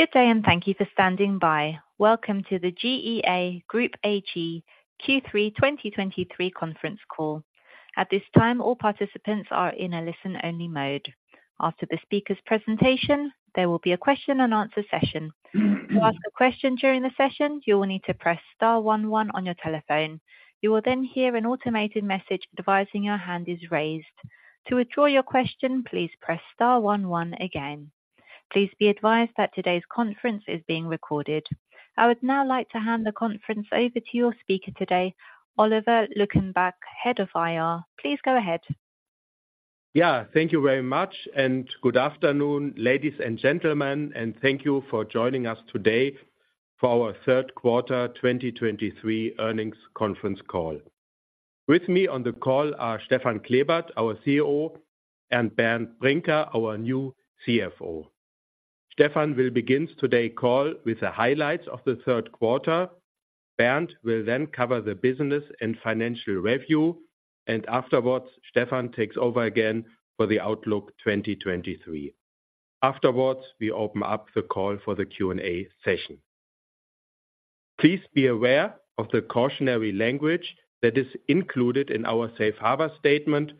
Good day, and thank you for standing by. Welcome to the GEA Group AG Q3 2023 conference call. At this time, all participants are in a listen-only mode. After the speaker's presentation, there will be a question and answer session. To ask a question during the session, you will need to press star one one on your telephone. You will then hear an automated message advising your hand is raised. To withdraw your question, please press star one one again. Please be advised that today's conference is being recorded. I would now like to hand the conference over to your speaker today, Oliver Luckenbach, Head of IR. Please go ahead. Yeah, thank you very much, and good afternoon, ladies and gentlemen, and thank you for joining us today for our Q3 2023 earnings conference call. With me on the call are Stefan Klebert, our CEO, and Bernd Brinker, our new CFO. Stefan will begin today's call with the highlights of the Q3. Bernd will then cover the business and financial review, and afterwards, Stefan takes over again for the Outlook 2023. Afterwards, we open up the call for the Q&A session. Please be aware of the cautionary language that is included in our safe harbor statement,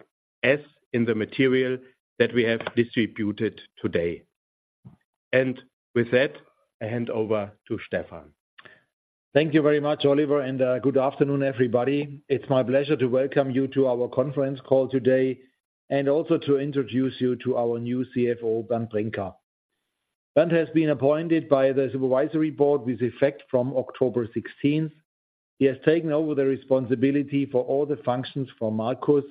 as in the material that we have distributed today. With that, I hand over to Stefan. Thank you very much, Oliver, and, good afternoon, everybody. It's my pleasure to welcome you to our conference call today, and also to introduce you to our new CFO, Bernd Brinker. Bernd has been appointed by the Supervisory Board with effect from October 16. He has taken over the responsibility for all the functions for Marcus.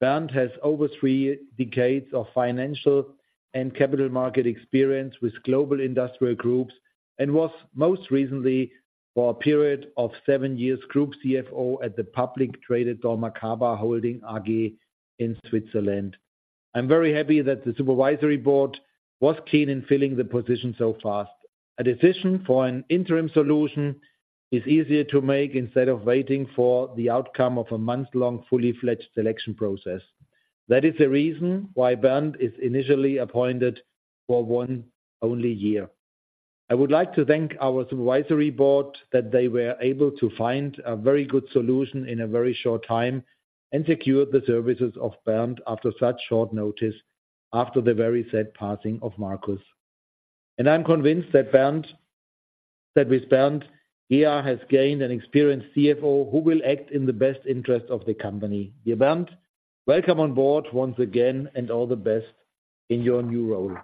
Bernd has over three decades of financial and capital market experience with global industrial groups, and was most recently, for a period of seven years, Group CFO at the publicly traded dormakaba Holding AG in Switzerland. I'm very happy that the Supervisory Board was keen in filling the position so fast. A decision for an interim solution is easier to make instead of waiting for the outcome of a month-long, full-fledged selection process. That is the reason why Bernd is initially appointed for one only year. I would like to thank our supervisory board that they were able to find a very good solution in a very short time and secure the services of Bernd after such short notice, after the very sad passing of Marcus. I'm convinced that Bernd, that with Bernd, GEA has gained an experienced CFO who will act in the best interest of the company. Dear Bernd, welcome on board once again, and all the best in your new role.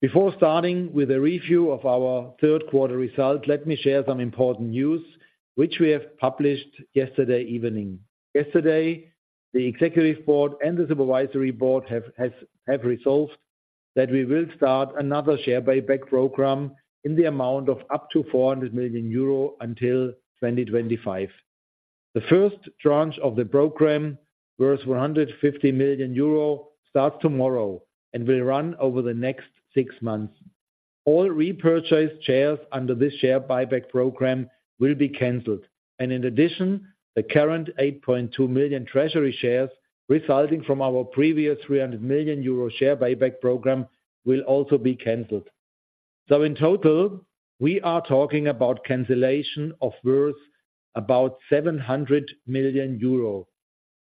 Before starting with a review of our Q3 results, let me share some important news, which we have published yesterday evening. Yesterday, the executive board and the supervisory board have resolved that we will start another share buyback program in the amount of up to 400 million euro until 2025. The first tranche of the program, worth 150 million euro, starts tomorrow and will run over the next six months. All repurchased shares under this share buyback program will be canceled, and in addition, the current 8.2 million treasury shares, resulting from our previous 300 million euro share buyback program, will also be canceled. So in total, we are talking about cancellation of worth about 700 million euro.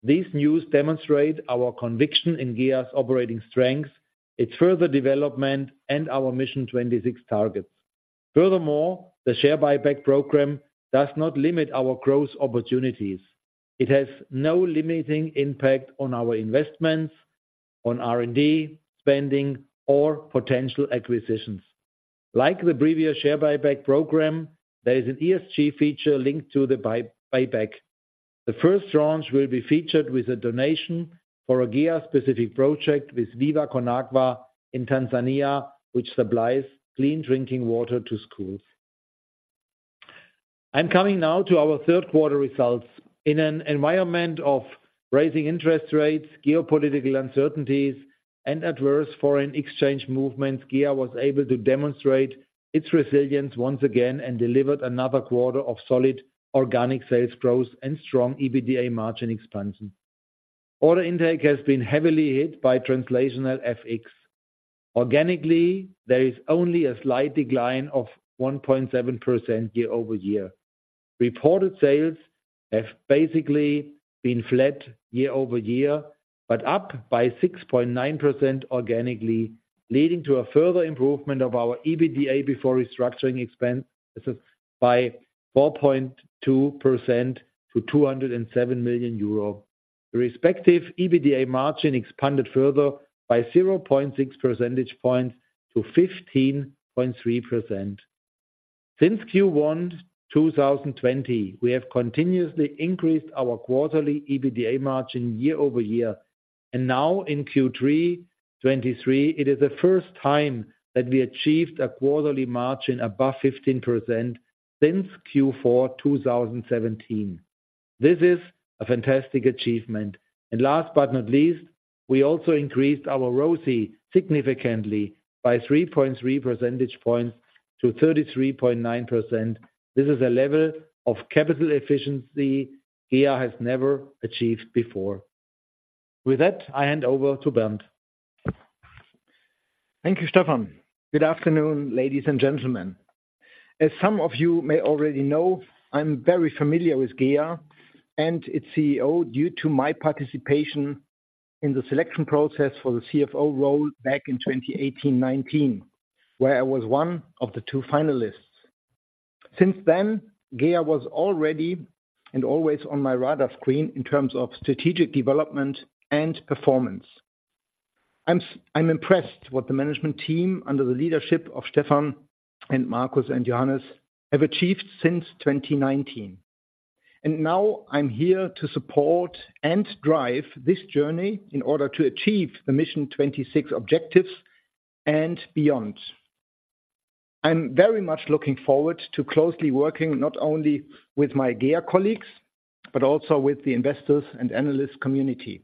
This news demonstrate our conviction in GEA's operating strength, its further development, and our Mission 26 targets. Furthermore, the share buyback program does not limit our growth opportunities. It has no limiting impact on our investments, on R&D spending, or potential acquisitions. Like the previous share buyback program, there is an ESG feature linked to the buyback. The first tranche will be featured with a donation for a GEA-specific project with Viva con Agua in Tanzania, which supplies clean drinking water to schools. I'm coming now to our Q3 results. In an environment of raising interest rates, geopolitical uncertainties, and adverse foreign exchange movements, GEA was able to demonstrate its resilience once again and delivered another quarter of solid organic sales growth and strong EBITDA margin expansion. Order intake has been heavily hit by translational FX. Organically, there is only a slight decline of 1.7% year-over-year. Reported sales have basically been flat year-over-year, but up by 6.9% organically, leading to a further improvement of our EBITDA before restructuring expenses by 4.2% to 207 million euro. The respective EBITDA margin expanded further by 0.6 percentage points to 15.3%. Since Q1 2020, we have continuously increased our quarterly EBITDA margin year-over-year, and now in Q3 2023, it is the first time that we achieved a quarterly margin above 15% since Q4 2017. This is a fantastic achievement. And last but not least, we also increased our ROCE significantly by 3.3 percentage points to 33.9%. This is a level of capital efficiency GEA has never achieved before. With that, I hand over to Bernd. Thank you, Stefan. Good afternoon, ladies and gentlemen. As some of you may already know, I'm very familiar with GEA and its CEO due to my participation in the selection process for the CFO role back in 2018/2019, where I was one of the two finalists. Since then, GEA was already and always on my radar screen in terms of strategic development and performance. I'm impressed what the management team, under the leadership of Stefan and Marcus and Johannes, have achieved since 2019. And now I'm here to support and drive this journey in order to achieve the Mission 26 objectives and beyond. I'm very much looking forward to closely working not only with my GEA colleagues, but also with the investors and analyst community.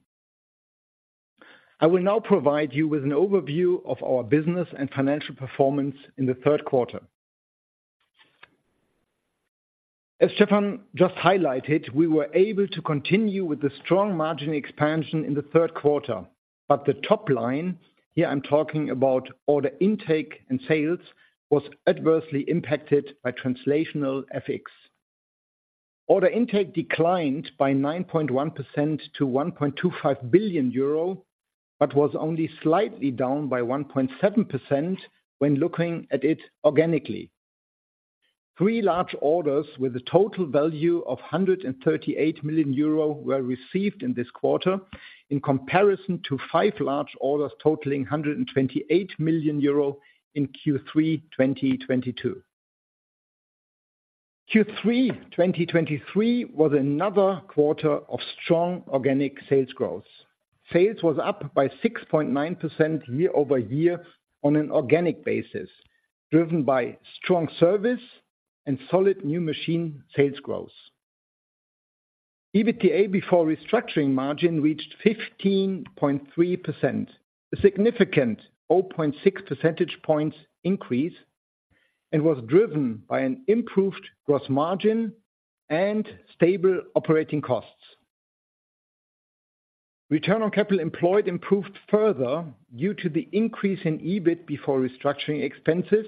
I will now provide you with an overview of our business and financial performance in the Q3. As Stefan just highlighted, we were able to continue with the strong margin expansion in the Q3, but the top line, here I'm talking about order intake and sales, was adversely impacted by translational FX. Order intake declined by 9.1% to 1.25 billion euro, but was only slightly down by 1.7% when looking at it organically. Three large orders with a total value of 138 million euro were received in this quarter, in comparison to five large orders totaling 128 million euro in Q3 2022. Q3 2023 was another quarter of strong organic sales growth. Sales was up by 6.9% year over year on an organic basis, driven by strong service and solid new machine sales growth. EBITDA before restructuring margin reached 15.3%, a significant 0.6 percentage points increase, and was driven by an improved gross margin and stable operating costs. Return on capital employed improved further due to the increase in EBIT before restructuring expenses,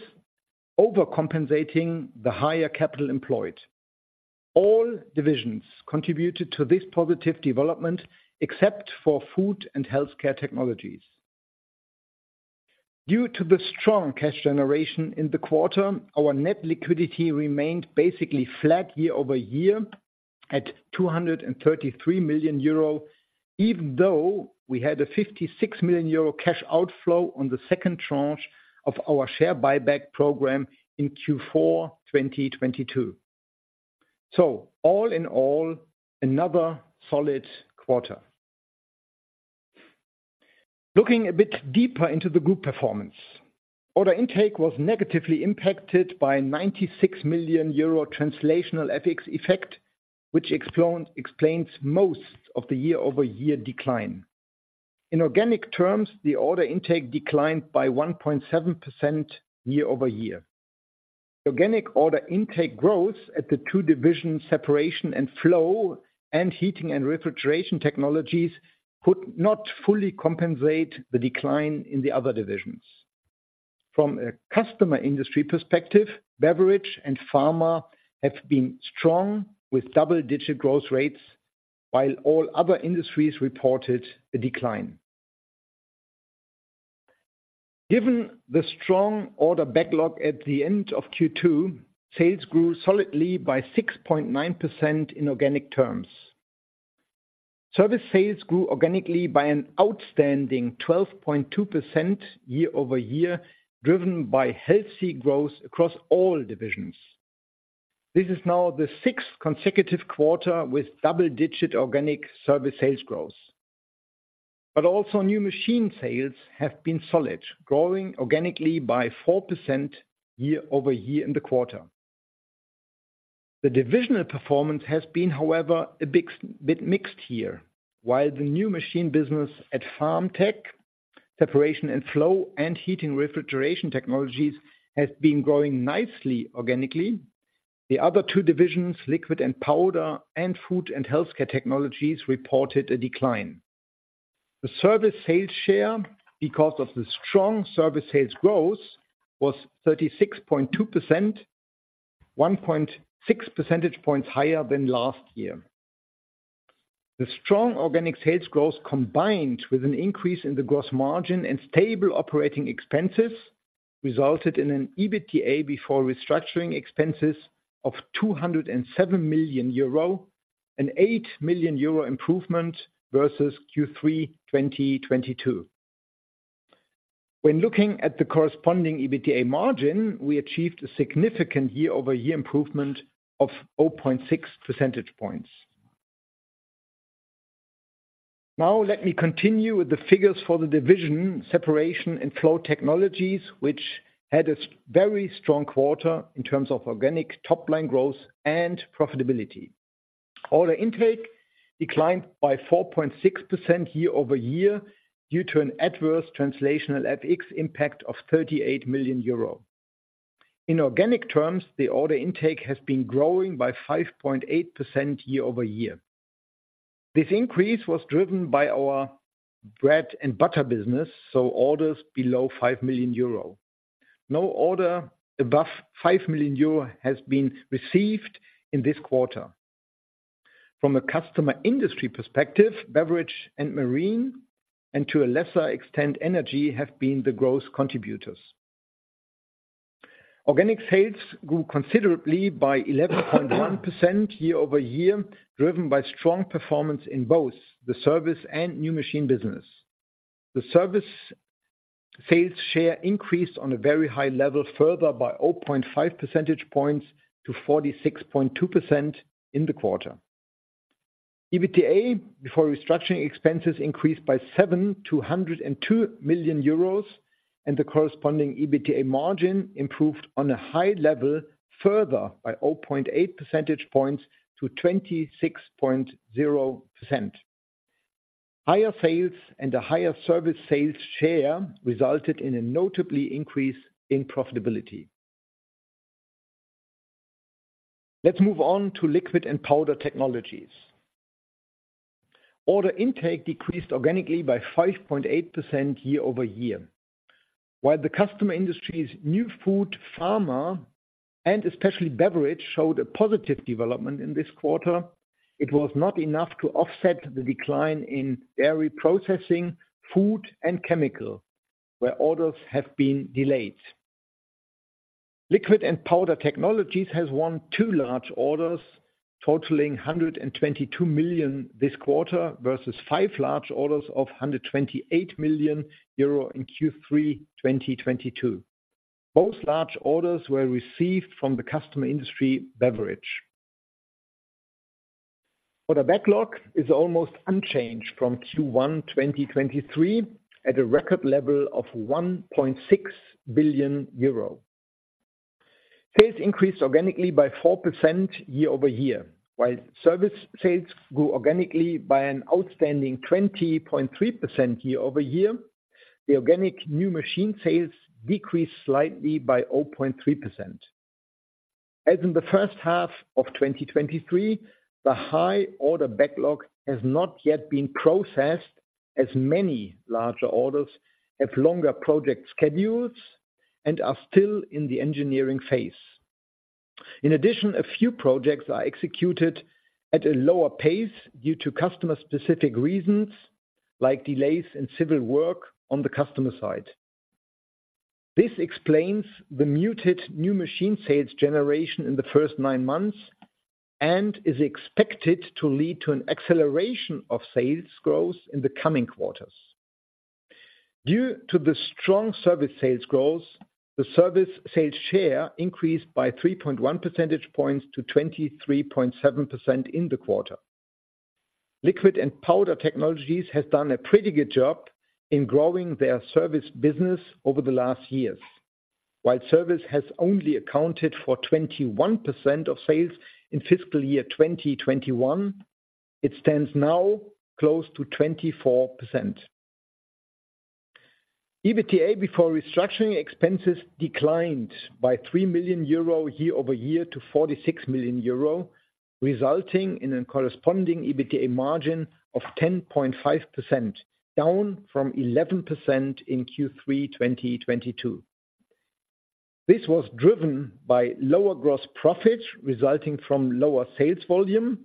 overcompensating the higher capital employed. All divisions contributed to this positive development, except for Food and Healthcare Technologies. Due to the strong cash generation in the quarter, our net liquidity remained basically flat year-over-year at 233 million euro, even though we had a 56 million euro cash outflow on the second tranche of our share buyback program in Q4 2022. So all in all, another solid quarter. Looking a bit deeper into the group performance. Order intake was negatively impacted by a 96 million euro translational FX effect, which explains most of the year-over-year decline. In organic terms, the order intake declined by 1.7% year-over-year. Organic order intake growth at the two divisions, Separation and Flow, and Heating and Refrigeration Technologies, could not fully compensate the decline in the other divisions. From a customer industry perspective, Beverage and Pharma have been strong, with double-digit growth rates, while all other industries reported a decline. Given the strong order backlog at the end of Q2, sales grew solidly by 6.9% in organic terms. Service sales grew organically by an outstanding 12.2% year-over-year, driven by healthy growth across all divisions. This is now the sixth consecutive quarter with double-digit organic service sales growth. But also new machine sales have been solid, growing organically by 4% year-over-year in the quarter. The divisional performance has been, however, a bit mixed here. While the new machine business at Farm Technologies, Separation & Flow Technologies, and Heating & Refrigeration Technologies has been growing nicely organically, the other two divisions, Liquid & Powder Technologies, and Food & Healthcare Technologies, reported a decline. The service sales share, because of the strong service sales growth, was 36.2%, 1.6 percentage points higher than last year. The strong organic sales growth, combined with an increase in the gross margin and stable operating expenses, resulted in an EBITDA before restructuring expenses of 207 million euro, an 8 million euro improvement versus Q3 2022. When looking at the corresponding EBITDA margin, we achieved a significant year-over-year improvement of 0.6 percentage points. Now, let me continue with the figures for the division, Separation & Flow Technologies, which had a very strong quarter in terms of organic top line growth and profitability. Order intake declined by 4.6% year-over-year due to an adverse translational FX impact of 38 million euro. In organic terms, the order intake has been growing by 5.8% year-over-year. This increase was driven by our bread and butter business, so orders below 5 million euro. No order above 5 million euro has been received in this quarter. From a customer industry perspective, beverage and marine, and to a lesser extent, energy, have been the growth contributors. Organic sales grew considerably by 11.1% year-over-year, driven by strong performance in both the service and new machine business. The service sales share increased on a very high level, further by 0.5 percentage points to 46.2% in the quarter. EBITDA before restructuring expenses increased by 7 to 102 million euros, and the corresponding EBITDA margin improved on a high level, further by 0.8 percentage points to 26.0%. Higher sales and a higher service sales share resulted in a notable increase in profitability. Let's move on to Liquid and Powder Technologies. Order intake decreased organically by 5.8% year-over-year. While the customer industry's new food, pharma, and especially beverage, showed a positive development in this quarter, it was not enough to offset the decline in dairy processing, food, and chemical, where orders have been delayed. Liquid and Powder Technologies has won 2 large orders totaling 122 million this quarter, versus 5 large orders of 128 million euro in Q3 2022. Both large orders were received from the customer industry beverage. Order backlog is almost unchanged from Q1 2023, at a record level of 1.6 billion euro. Sales increased organically by 4% year-over-year. While service sales grew organically by an outstanding 20.3% year-over-year, the organic new machine sales decreased slightly by 0.3%. As in the first half of 2023, the high order backlog has not yet been processed, as many larger orders have longer project schedules and are still in the engineering phase. In addition, a few projects are executed at a lower pace due to customer-specific reasons, like delays in civil work on the customer side. This explains the muted new machine sales generation in the first nine months and is expected to lead to an acceleration of sales growth in the coming quarters. Due to the strong service sales growth, the service sales share increased by 3.1 percentage points to 23.7% in the quarter. Liquid and Powder Technologies has done a pretty good job in growing their service business over the last years. While service has only accounted for 21% of sales in fiscal year 2021, it stands now close to 24%. EBITDA before restructuring expenses declined by 3 million euro year-over-year to 46 million euro, resulting in a corresponding EBITDA margin of 10.5%, down from 11% in Q3 2022. This was driven by lower gross profit, resulting from lower sales volume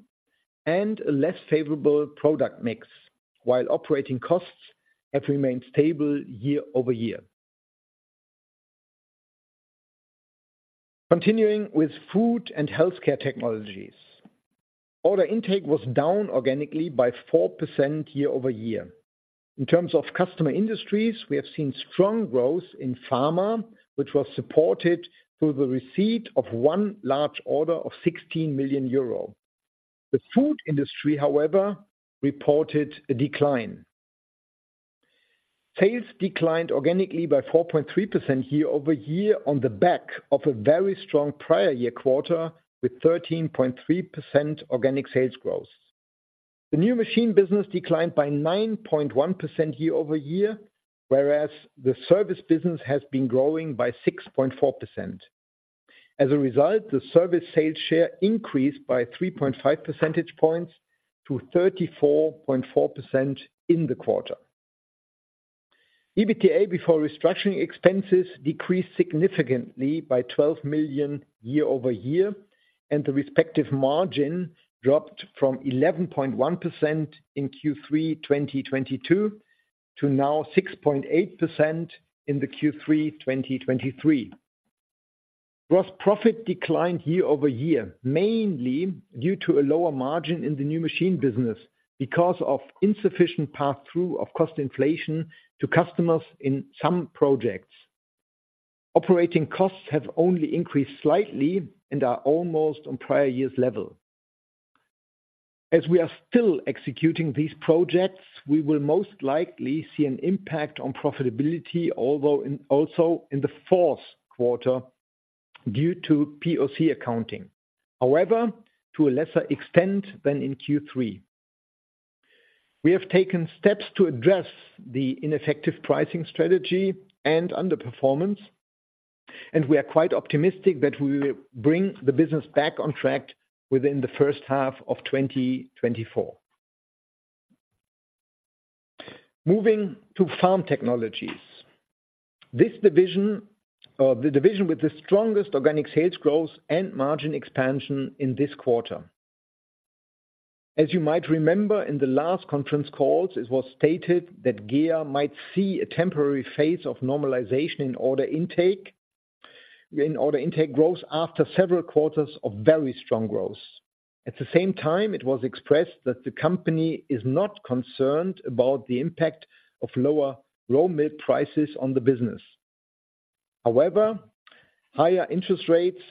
and a less favorable product mix, while operating costs have remained stable year-over-year. Continuing with Food and Healthcare Technologies. Order intake was down organically by 4% year-over-year. In terms of customer industries, we have seen strong growth in pharma, which was supported through the receipt of one large order of 16 million euro. The food industry, however, reported a decline. Sales declined organically by 4.3% year-over-year on the back of a very strong prior year quarter, with 13.3% organic sales growth. The new machine business declined by 9.1% year-over-year, whereas the service business has been growing by 6.4%. As a result, the service sales share increased by 3.5 percentage points to 34.4% in the quarter. EBITDA before restructuring expenses decreased significantly by 12 million year-over-year, and the respective margin dropped from 11.1% in Q3 2022 to now 6.8% in the Q3 2023. Gross profit declined year-over-year, mainly due to a lower margin in the new machine business, because of insufficient passthrough of cost inflation to customers in some projects. Operating costs have only increased slightly and are almost on prior year's level. As we are still executing these projects, we will most likely see an impact on profitability, although also in the Q4 due to POC accounting, however, to a lesser extent than in Q3. We have taken steps to address the ineffective pricing strategy and underperformance, and we are quite optimistic that we will bring the business back on track within the first half of 2024. Moving to Farm Technologies. This division, the division with the strongest organic sales growth and margin expansion in this quarter. As you might remember, in the last conference calls, it was stated that GEA might see a temporary phase of normalization in order intake growth after several quarters of very strong growth. At the same time, it was expressed that the company is not concerned about the impact of lower raw milk prices on the business. However, higher interest rates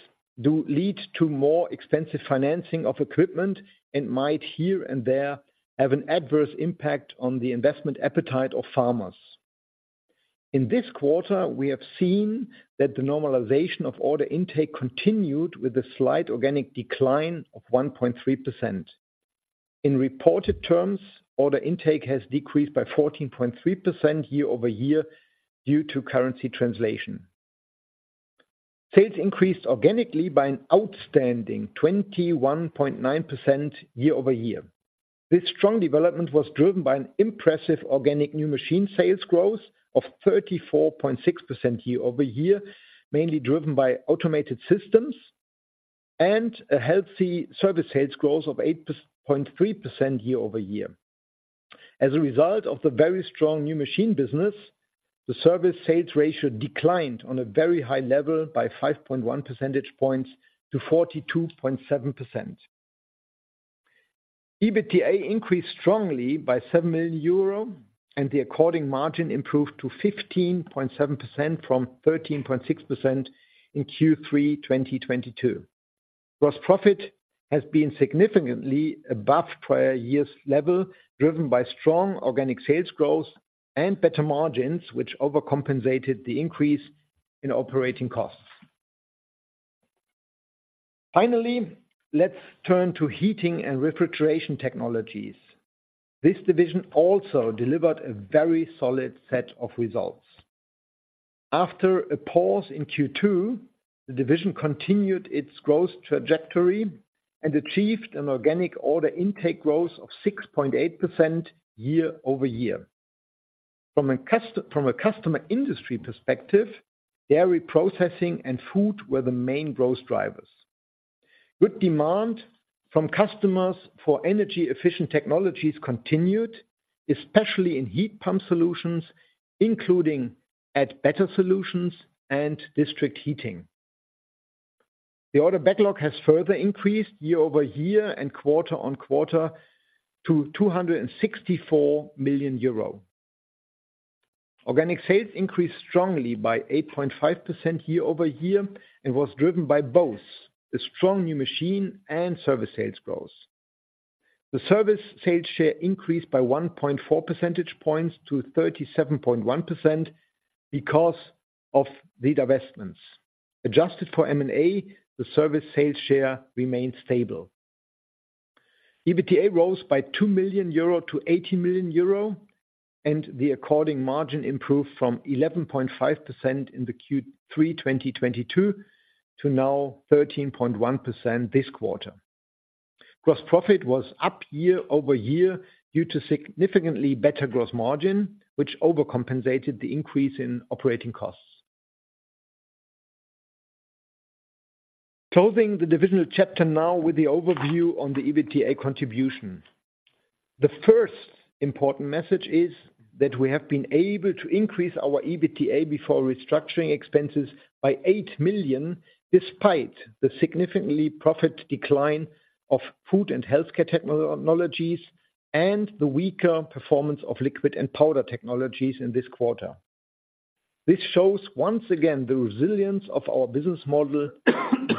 do lead to more expensive financing of equipment and might here and there have an adverse impact on the investment appetite of farmers. In this quarter, we have seen that the normalization of order intake continued with a slight organic decline of 1.3%. In reported terms, order intake has decreased by 14.3% year-over-year due to currency translation. Sales increased organically by an outstanding 21.9% year-over-year. This strong development was driven by an impressive organic new machine sales growth of 34.6% year-over-year, mainly driven by automated systems and a healthy service sales growth of 8.3% year-over-year. As a result of the very strong new machine business, the service sales ratio declined on a very high level by 5.1 percentage points to 42.7%. EBITDA increased strongly by 7 million euro, and the according margin improved to 15.7% from 13.6% in Q3 2022. Gross profit has been significantly above prior year's level, driven by strong organic sales growth and better margins, which overcompensated the increase in operating costs. Finally, let's turn to Heating and Refrigeration Technologies. This division also delivered a very solid set of results. After a pause in Q2, the division continued its growth trajectory and achieved an organic order intake growth of 6.8% year-over-year. From a customer industry perspective, dairy processing and food were the main growth drivers. Good demand from customers for energy-efficient technologies continued, especially in heat pump solutions, including AddBetter solutions and district heating. The order backlog has further increased year-over-year and quarter-over-quarter to 264 million euro. Organic sales increased strongly by 8.5% year-over-year and was driven by both the strong new machine and service sales growth. The service sales share increased by 1.4 percentage points to 37.1% because of the divestments. Adjusted for M&A, the service sales share remained stable. EBITDA rose by 2 million euro to 80 million euro, and the according margin improved from 11.5% in the Q3 2022 to now 13.1% this quarter. Gross profit was up year-over-year due to significantly better gross margin, which overcompensated the increase in operating costs. Closing the divisional chapter now with the overview on the EBITDA contribution. The first important message is that we have been able to increase our EBITDA before restructuring expenses by 8 million, despite the significantly profit decline of Food and Healthcare Technologies and the weaker performance of Liquid and Powder Technologies in this quarter. This shows once again the resilience of our business model,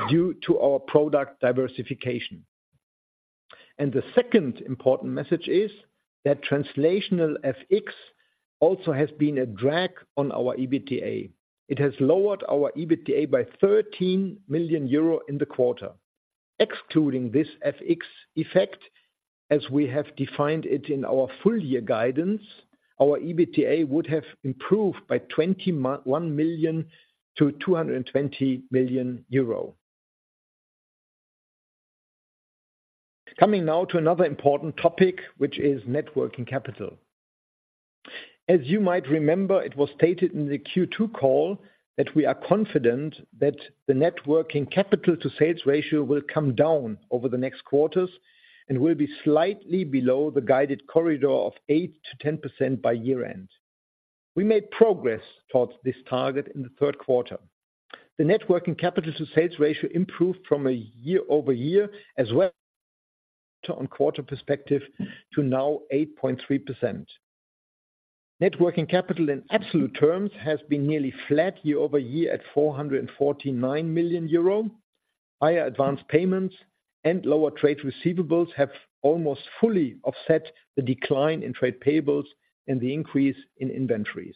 due to our product diversification. And the second important message is that translational FX also has been a drag on our EBITDA. It has lowered our EBITDA by 13 million euro in the quarter. Excluding this FX effect, as we have defined it in our full year guidance, our EBITDA would have improved by 21 million to EUR 220 million. Coming now to another important topic, which is net working capital. As you might remember, it was stated in the Q2 call that we are confident that the net working capital to sales ratio will come down over the next quarters and will be slightly below the guided corridor of 8%-10% by year-end. We made progress towards this target in the Q3. The net working capital to sales ratio improved from a year-over-year as well to on quarter perspective to now 8.3%. Net working capital in absolute terms has been nearly flat year-over-year at 449 million euro. Higher advanced payments and lower trade receivables have almost fully offset the decline in trade payables and the increase in inventories.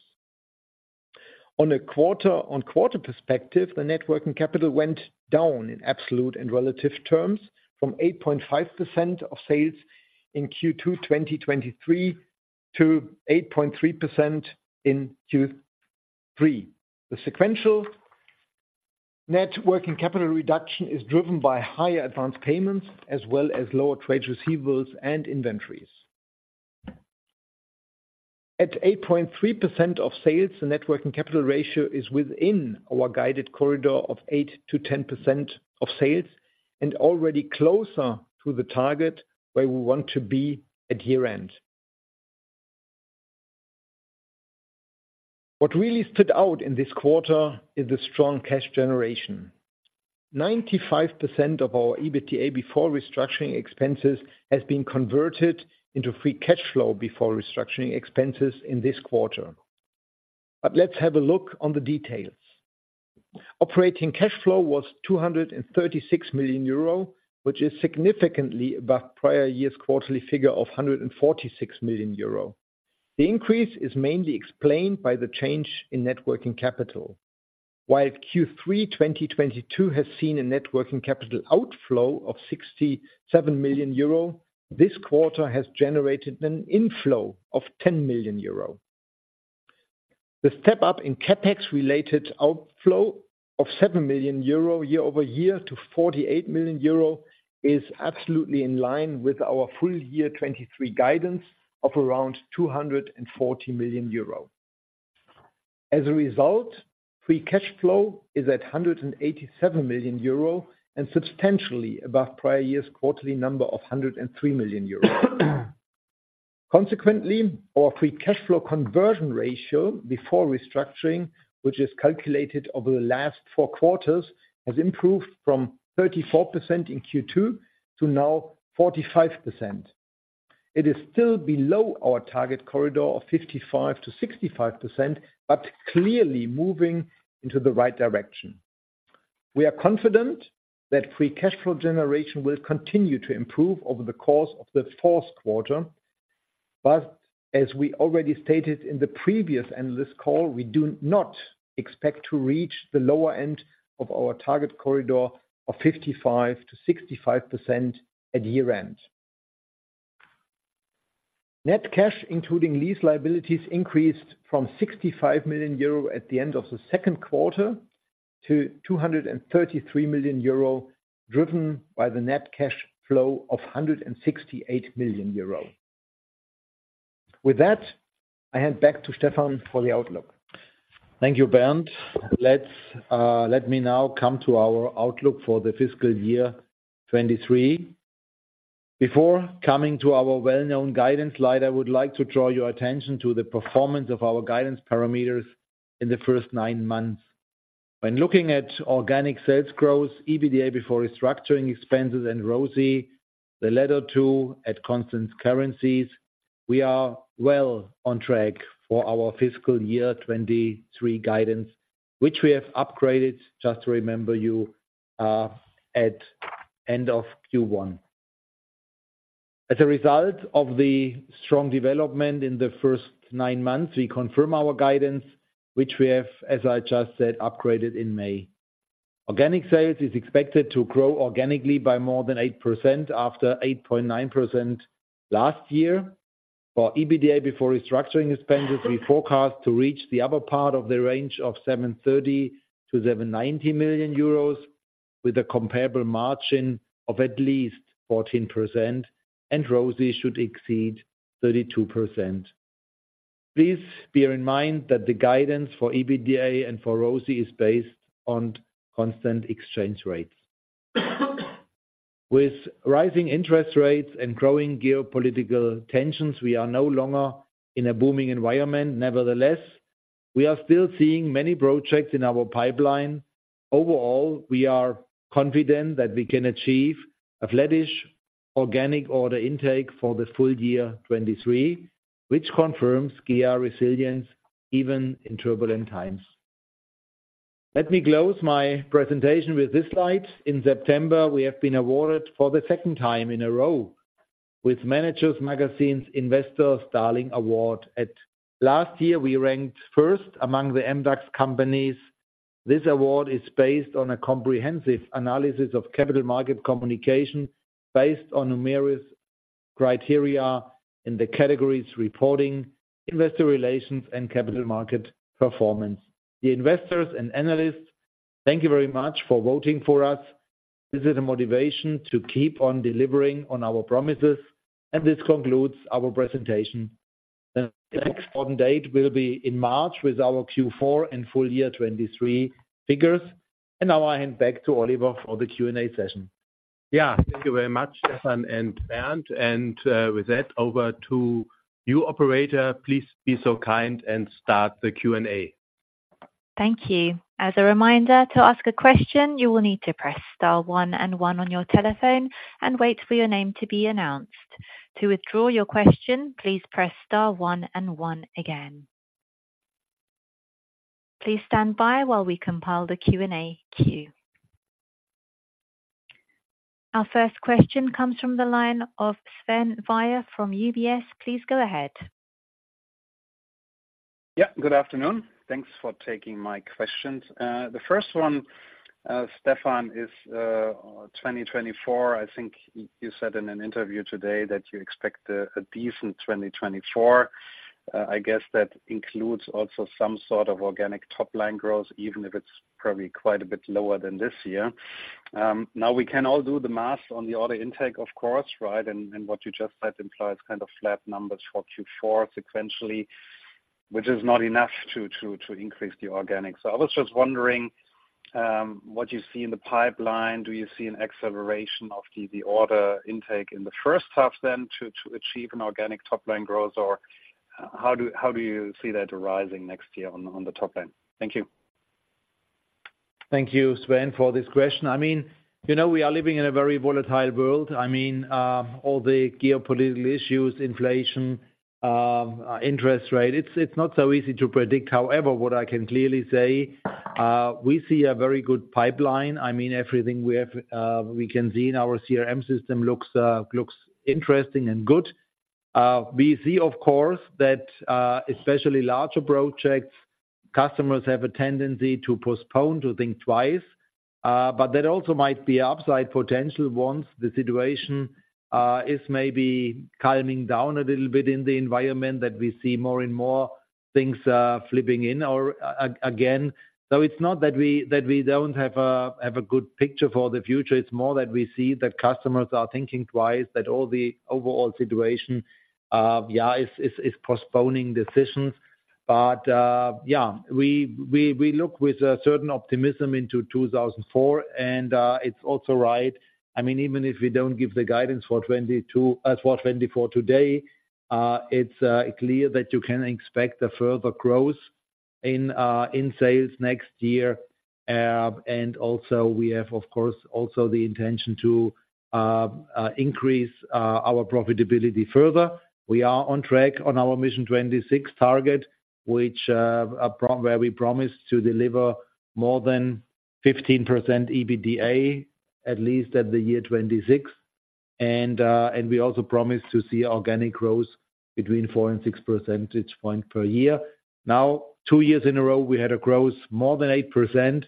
On a quarter-on-quarter perspective, the net working capital went down in absolute and relative terms from 8.5% of sales in Q2 2023 to 8.3% in Q3. The sequential net working capital reduction is driven by higher advanced payments as well as lower trade receivables and inventories. At 8.3% of sales, the net working capital ratio is within our guided corridor of 8%-10% of sales, and already closer to the target where we want to be at year-end. What really stood out in this quarter is the strong cash generation. 95% of our EBITDA before restructuring expenses has been converted into free cash flow before restructuring expenses in this quarter. But let's have a look on the details. Operating cash flow was 236 million euro, which is significantly above prior year's quarterly figure of 146 million euro. The increase is mainly explained by the change in net working capital. While Q3 2022 has seen a net working capital outflow of 67 million euro, this quarter has generated an inflow of 10 million euro. The step up in CapEx related outflow of 7 million euro year over year to 48 million euro, is absolutely in line with our full year 2023 guidance of around 240 million euro. As a result, free cash flow is at 187 million euro and substantially above prior year's quarterly number of 103 million euro. Consequently, our free cash flow conversion ratio before restructuring, which is calculated over the last four quarters, has improved from 34% in Q2 to now 45%. It is still below our target corridor of 55%-65%, but clearly moving into the right direction. We are confident that free cash flow generation will continue to improve over the course of the Q4, but as we already stated in the previous analyst call, we do not expect to reach the lower end of our target corridor of 55%-65% at year-end. Net cash, including lease liabilities, increased from 65 million euro at the end of the Q2 to 233 million euro, driven by the net cash flow of 168 million euro. With that, I hand back to Stefan for the outlook. Thank you, Bernd. Let's, let me now come to our outlook for the fiscal year 2023. Before coming to our well-known guidance slide, I would like to draw your attention to the performance of our guidance parameters in the first nine months. When looking at organic sales growth, EBITDA before restructuring expenses and ROCE, the latter two at constant currencies, we are well on track for our fiscal year 2023 guidance, which we have upgraded, just to remember you, at end of Q1. As a result of the strong development in the first nine months, we confirm our guidance, which we have, as I just said, upgraded in May. Organic sales is expected to grow organically by more than 8%, after 8.9% last year. For EBITDA, before restructuring expenses, we forecast to reach the upper part of the range of 730 million-790 million euros, with a comparable margin of at least 14% and ROCE should exceed 32%. Please bear in mind that the guidance for EBITDA and for ROCE is based on constant exchange rates. With rising interest rates and growing geopolitical tensions, we are no longer in a booming environment. Nevertheless, we are still seeing many projects in our pipeline. Overall, we are confident that we can achieve a flattish organic order intake for the full year 2023, which confirms GEA resilience even in turbulent times. Let me close my presentation with this slide. In September, we have been awarded for the second time in a row with Manager Magazin Investors' Darling Award. As last year, we ranked first among the MDAX companies. This award is based on a comprehensive analysis of capital market communication, based on numerous criteria in the categories: reporting, investor relations, and capital market performance. The investors and analysts, thank you very much for voting for us. This is a motivation to keep on delivering on our promises, and this concludes our presentation. The next important date will be in March with our Q4 and full year 2023 figures. Now I hand back to Oliver for the Q&A session. Yeah, thank you very much, Stefan and Bernd, and, with that, over to you, operator. Please be so kind and start the Q&A. Thank you. As a reminder, to ask a question, you will need to press star one and one on your telephone and wait for your name to be announced. To withdraw your question, please press star one and one again. Please stand by while we compile the Q&A queue. Our first question comes from the line of Sven Weier from UBS. Please go ahead. Yeah, good afternoon. Thanks for taking my questions. The first one, Stefan, is 2024. I think you said in an interview today that you expect a decent 2024. I guess that includes also some sort of organic top line growth, even if it's probably quite a bit lower than this year. Now we can all do the math on the order intake, of course, right? And what you just said implies kind of flat numbers for Q4 sequentially, which is not enough to increase the organic. I was just wondering what you see in the pipeline. Do you see an acceleration of the order intake in the first half then, to achieve an organic top line growth? How do you see that rising next year on the top end? Thank you. Thank you, Sven, for this question. We are living in a very volatile world, all the geopolitical issues, inflation, interest rate, it's, it's not so easy to predict. However, what I can clearly say, we see a very good pipeline. Everything we have, we can see in our CRM system looks, looks interesting and good. We see, of course, that, especially larger projects, customers have a tendency to postpone, to think twice, but there also might be upside potential once the situation, is maybe calming down a little bit in the environment, that we see more and more things, flipping in or again. It's not that we don't have a good picture for the future, it's more that we see that customers are thinking twice, that all the overall situation is postponing decisions. We look with a certain optimism into 2024, and it's also right. Even if we don't give the guidance for 2022, for 2024 today, it's clear that you can expect a further growth in sales next year. Also we have, of course, also the intention to increase our profitability further. We are on track on our Mission 26 target, which where we promise to deliver more than 15% EBITDA, at least at the year 2026. We also promise to see organic growth between 4 and 6 percentage point per year. Now, two years in a row, we had a growth more than 8%,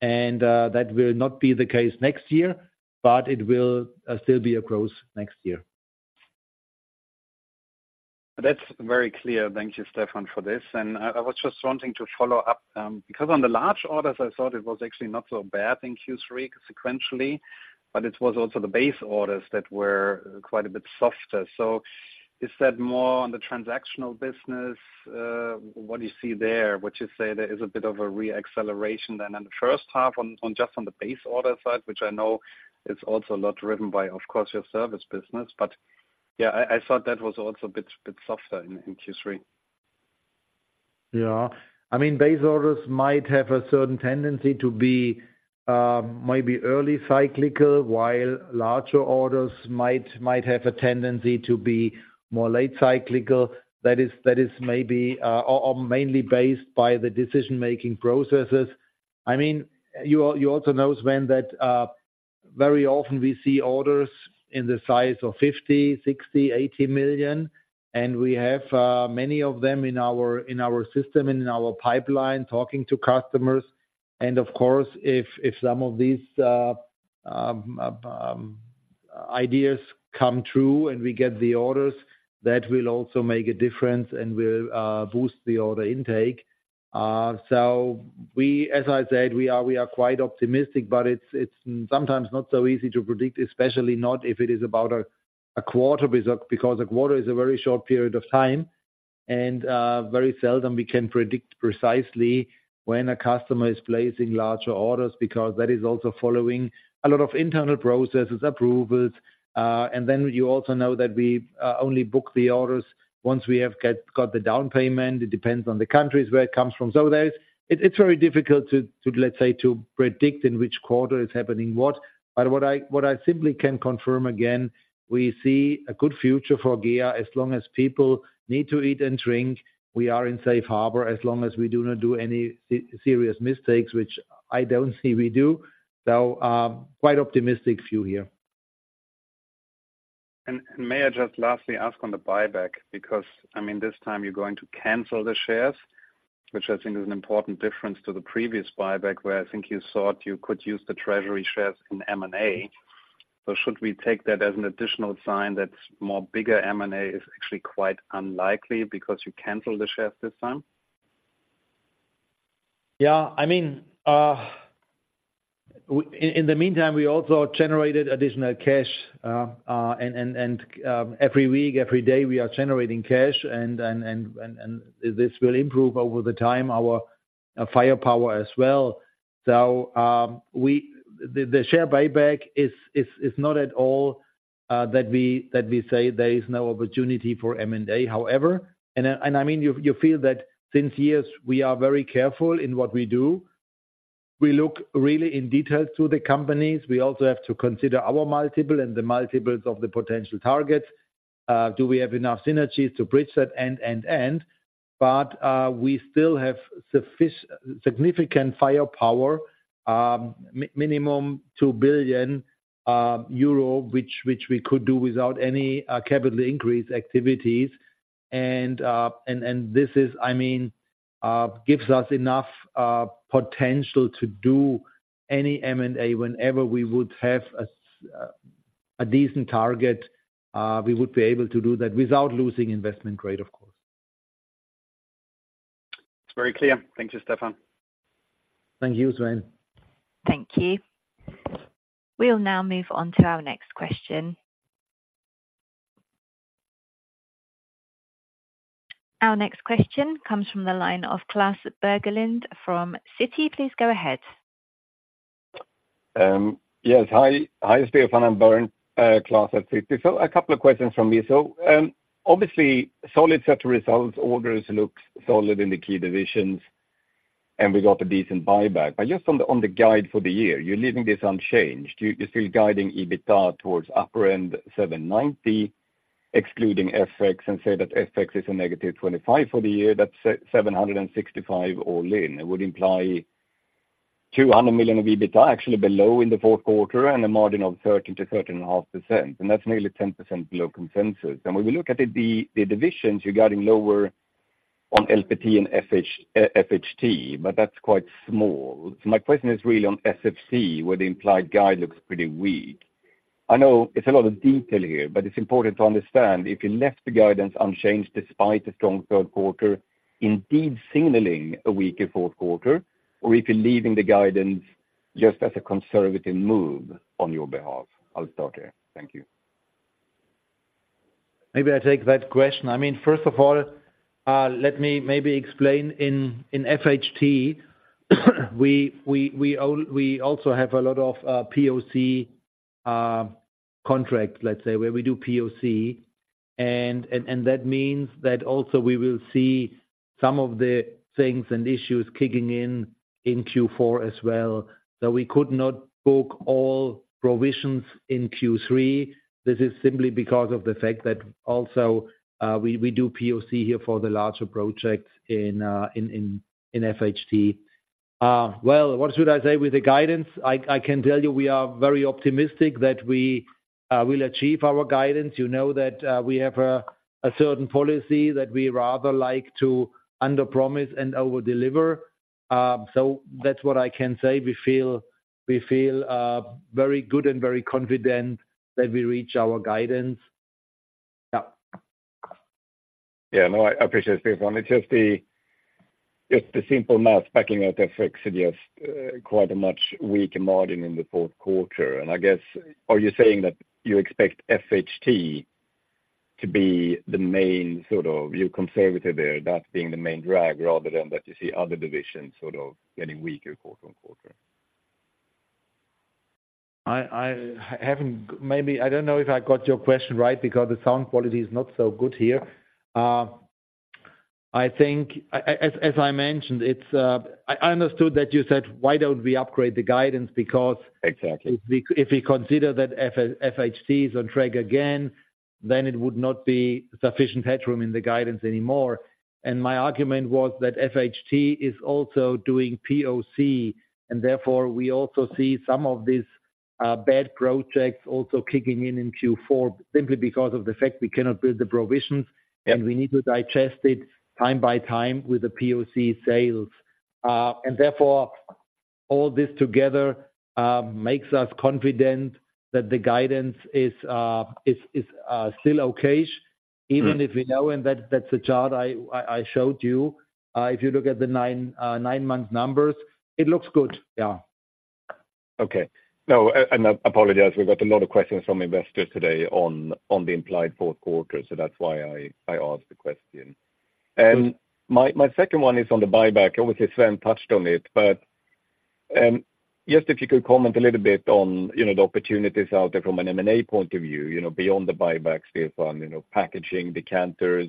and that will not be the case next year, but it will still be a growth next year. That's very clear. Thank you, Stefan, for this. And I, I was just wanting to follow up, because on the large orders, I thought it was actually not so bad in Q3 sequentially, but it was also the base orders that were quite a bit softer. Is that more on the transactional business? What do you see there? Would you say there is a bit of a re-acceleration than in the first half on, on just on the base order side, which I know is also a lot driven by, of course, your service business. I thought that was also a bit, bit softer in, in Q3. Yeah. I mean, base orders might have a certain tendency to be maybe early cyclical, while larger orders might have a tendency to be more late cyclical. That is, that is maybe or mainly based by the decision-making processes. I mean, ou also know, Sven, that very often we see orders in the size of 50 million, 60 million, 80 million, and we have many of them in our system and in our pipeline talking to customers, and of course, if some of these ideas come through and we get the orders, that will also make a difference and will boost the order intake. We, as I said, we are quite optimistic, but it's sometimes not so easy to predict, especially not if it is about a quarter, because a quarter is a very short period of time, and very seldom we can predict precisely when a customer is placing larger orders, because that is also following a lot of internal processes, approvals. You also know that we only book the orders once we have got the down payment. It depends on the countries where it comes from. There is... It's very difficult to, let's say, predict in which quarter is happening what, but what I simply can confirm again, we see a good future for GEA. As long as people need to eat and drink, we are in safe harbor, as long as we do not do any serious mistakes, which I don't see we do. Quite optimistic view here. May I just lastly ask on the buyback? Because, I mean, this time you're going to cancel the shares, which I think is an important difference to the previous buyback, where I think you could use the treasury shares in M&A. Should we take that as an additional sign that more bigger M&A is actually quite unlikely because you canceled the shares this time? Yeah. I mean, in the meantime, we also generated additional cash, and every week, every day, we are generating cash, and this will improve over the time, our firepower as well. The share buyback is not at all that we say there is no opportunity for M&A. However, I mean, you feel that since years, we are very careful in what we do. We look really in detail to the companies. We also have to consider our multiple and the multiples of the potential targets. Do we have enough synergies to bridge that? We still have sufficient significant firepower, minimum 2 billion euro, which we could do without any capital increase activities. This is, I mean, gives us enough potential to do any M&A. Whenever we would have a decent target, we would be able to do that without losing investment grade, of course. It's very clear. Thank you, Stefan. Thank you, Sven. Thank you. We'll now move on to our next question. Our next question comes from the line of Klas Bergelind from Citi. Please go ahead. Yes. Hi. Hi, Stefan. I'm Bergelind, Klas at Citi. So a couple of questions from me. So, obviously, solid set of results. Orders looks solid in the key divisions, and we got a decent buyback. Just on the guide for the year, you're leaving this unchanged. You're still guiding EBITDA towards upper end 790 million, excluding FX, and say that FX is a negative 25 million for the year. That's 765 million all in. It would imply 200 million of EBITDA, actually below in the Q4, and a margin of 13%-13.5%, and that's nearly 10% below consensus. When we look at it, the divisions, you're getting lower on LPT and FHT, but that's quite small. So my question is really on SFT, where the implied guide looks pretty weak. I know it's a lot of detail here, but it's important to understand if you left the guidance unchanged despite a strong Q3, indeed signaling a weaker Q4, or if you're leaving the guidance just as a conservative move on your behalf. I'll stop there. Thank you. Maybe I take that question. I mean, first of all, let me maybe explain in FHT, we also have a lot of POC contract, let's say, where we do POC. And that means that also we will see some of the things and issues kicking in in Q4 as well. We could not book all provisions in Q3. This is simply because of the fact that also we do POC here for the larger projects in FHT. Well, what should I say with the guidance? I can tell you we are very optimistic that we will achieve our guidance. You know, that we have a certain policy that we rather like to underpromise and overdeliver. That's what I can say. We feel very good and very confident that we reach our guidance. Yeah. Yeah. No, I appreciate it, Stefan. It's just the, just the simple math backing out FX, it is quite a much weaker margin in the Q4. I guess, are you saying that you expect FHT to be the main sort of, you're conservative there, that being the main drag, rather than that you see other divisions sort of getting weaker quarter on quarter? I haven't. Maybe I don't know if I got your question right, because the sound quality is not so good here. I think as I mentioned, it's... I understood that you said, "Why don't we upgrade the guidance?" Because- Exactly. If we consider that FHT is on track again, then it would not be sufficient headroom in the guidance anymore. My argument was that FHT is also doing POC, and therefore, we also see some of these bad projects also kicking in in Q4, simply because of the fact we cannot build the provisions, and we need to digest it time by time with the POC sales. Therefore, all this together makes us confident that the guidance is still okay. Even if we know, and that, that's the chart I showed you. If you look at the nine-month numbers, it looks good. Yeah. Okay. No, and I apologize. We've got a lot of questions from investors today on, on the implied Q4, so that's why I, I asked the question. Sure. My second one is on the buyback. Obviously, Sven touched on it, but just if you could comment a little bit on, you know, the opportunities out there from an M&A point of view, you know, beyond the buyback, Stefan, you know, packaging, decanters.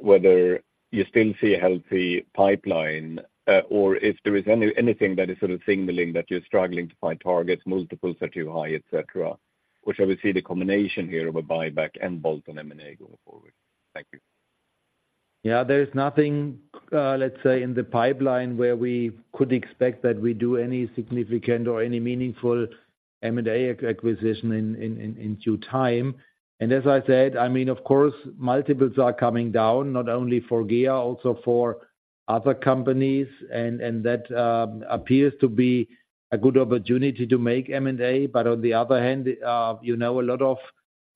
Whether you still see a healthy pipeline, or if there is anything that is sort of signaling that you're struggling to find targets, multiples are too high, et cetera. Which I would see the combination here of a buyback and bolt on M&A going forward. Thank you. Yeah, there's nothing, let's say, in the pipeline where we could expect that we do any significant or any meaningful M&A acquisition in due time. As I said, I mean, of course, multiples are coming down, not only for GEA, also for other companies, and that appears to be a good opportunity to make M&A, but on the other hand, you know, a lot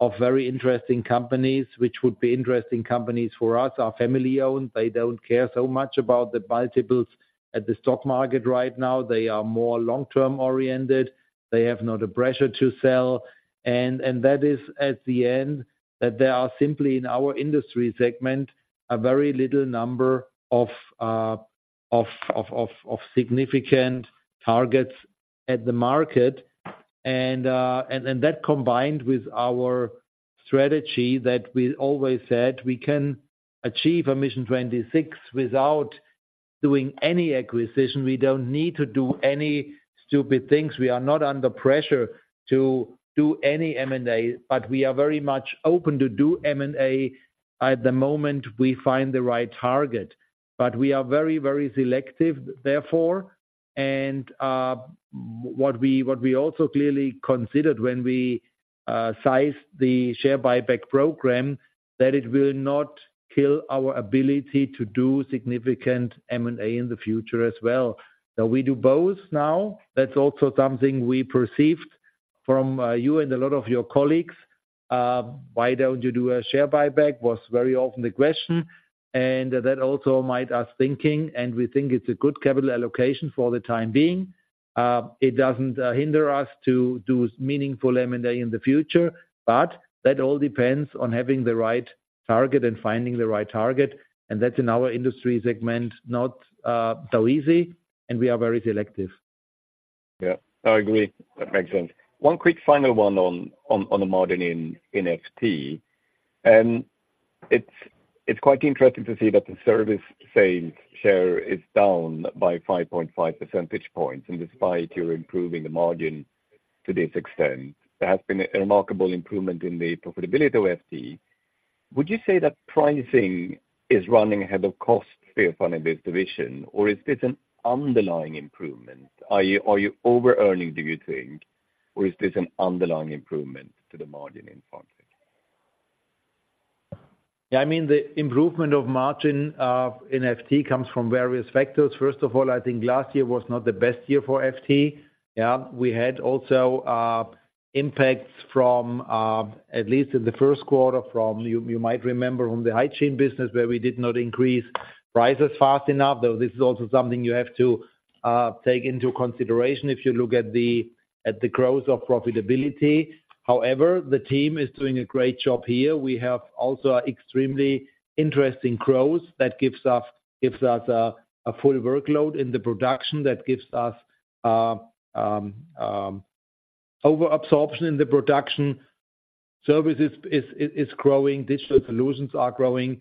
of very interesting companies, which would be interesting companies for us, are family-owned. They don't care so much about the multiples at the stock market right now. They are more long-term oriented. They have not a pressure to sell, and that is, at the end, that there are simply, in our industry segment, a very little number of significant targets at the market. That combined with our strategy that we always said, we can achieve Mission 26 without doing any acquisition. We don't need to do any stupid things. We are not under pressure to do any M&A, but we are very much open to do M&A at the moment we find the right target. But we are very, very selective, therefore, and what we also clearly considered when we sized the share buyback program, that it will not kill our ability to do significant M&A in the future as well. We do both now. That's also something we perceived from you and a lot of your colleagues. "Why don't you do a share buyback?" was very often the question, and that also made us thinking, and we think it's a good capital allocation for the time being. It doesn't hinder us to do meaningful M&A in the future, but that all depends on having the right target and finding the right target, and that's in our industry segment, not so easy, and we are very selective. Yeah, I agree. That makes sense. One quick final one on the margin in FT. It's quite interesting to see that the service sales share is down by 5.5 percentage points, and despite you're improving the margin to this extent, there has been a remarkable improvement in the profitability of FT. Would you say that pricing is running ahead of cost here on this division, or is this an underlying improvement? Are you overearning, do you think, or is this an underlying improvement to the margin in PharmTech? Yeah, I mean, the improvement of margin in FT comes from various factors. First of all, I think last year was not the best year for FT. Yeah, we had also impacts from at least in the first quarter, you might remember, from the supply chain business, where we did not increase prices fast enough, though this is also something you have to take into consideration if you look at the growth of profitability. However, the team is doing a great job here. We have also extremely interesting growth that gives us a full workload in the production. That gives us over absorption in the production. Services is growing, digital solutions are growing,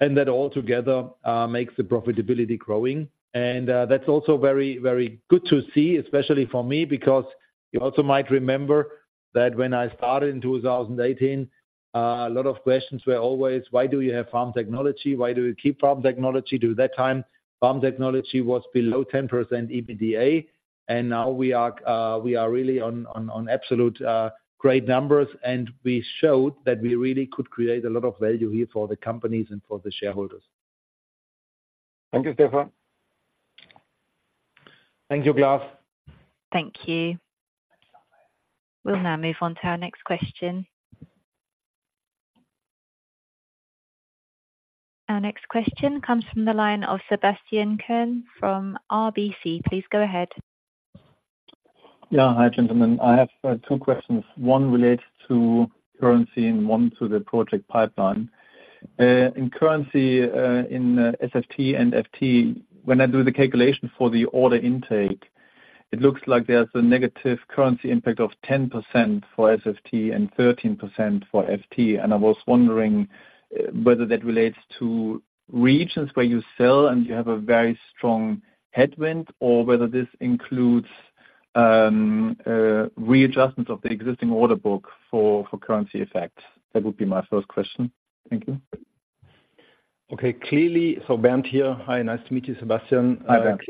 and that all together makes the profitability growing. That's also very, very good to see, especially for me, because you also might remember that when I started in 2018, a lot of questions were always: Why do you have Farm Technology? Why do you keep Farm Technology? To that time, Farm Technology was below 10% EBITDA, and now we are, we are really on absolute great numbers, and we showed that we really could create a lot of value here for the companies and for the shareholders. Thank you, Stefan. Thank you, Claus. Thank you. We'll now move on to our next question. Our next question comes from the line of Sebastian Kuenne from RBC. Please go ahead. Yeah. Hi, gentlemen. I have two questions. One relates to currency and one to the project pipeline. In currency, in SFT and FT, when I do the calculation for the order intake, it looks like there's a negative currency impact of 10% for SFT and 13% for FT, and I was wondering whether that relates to regions where you sell and you have a very strong headwind, or whether this includes readjustment of the existing order book for currency effects? That would be my first question. Thank you. Okay, clearly, Bernd here. Hi, nice to meet you, Sebastian. Hi, Bernd.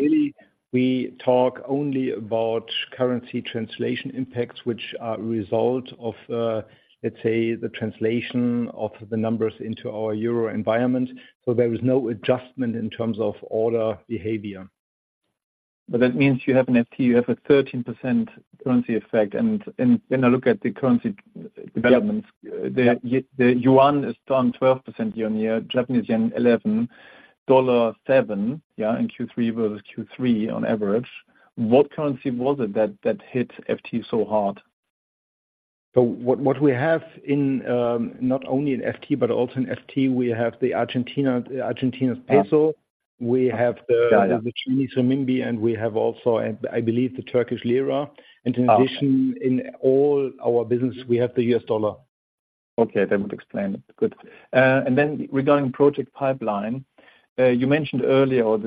Clearly, we talk only about currency translation impacts, which are a result of, let's say, the translation of the numbers into our Euro environment. There is no adjustment in terms of order behavior. That means you have an FT, you have a 13% currency effect, and when I look at the currency developments- Yeah. The yuan is down 12% year-on-year, Japanese yen, 11, dollar, 7, yeah, in Q3 versus Q3 on average. What currency was it that hit FT so hard? What we have in not only in FT but also in FT, we have the Argentina's peso. Yeah. We have the- Got it. The Chinese renminbi, and we have also, I, I believe, the Turkish Lira. Ah. In addition, in all our business, we have the U.S. dollar. Okay, that would explain it. Good. And then regarding project pipeline, you mentioned earlier, or,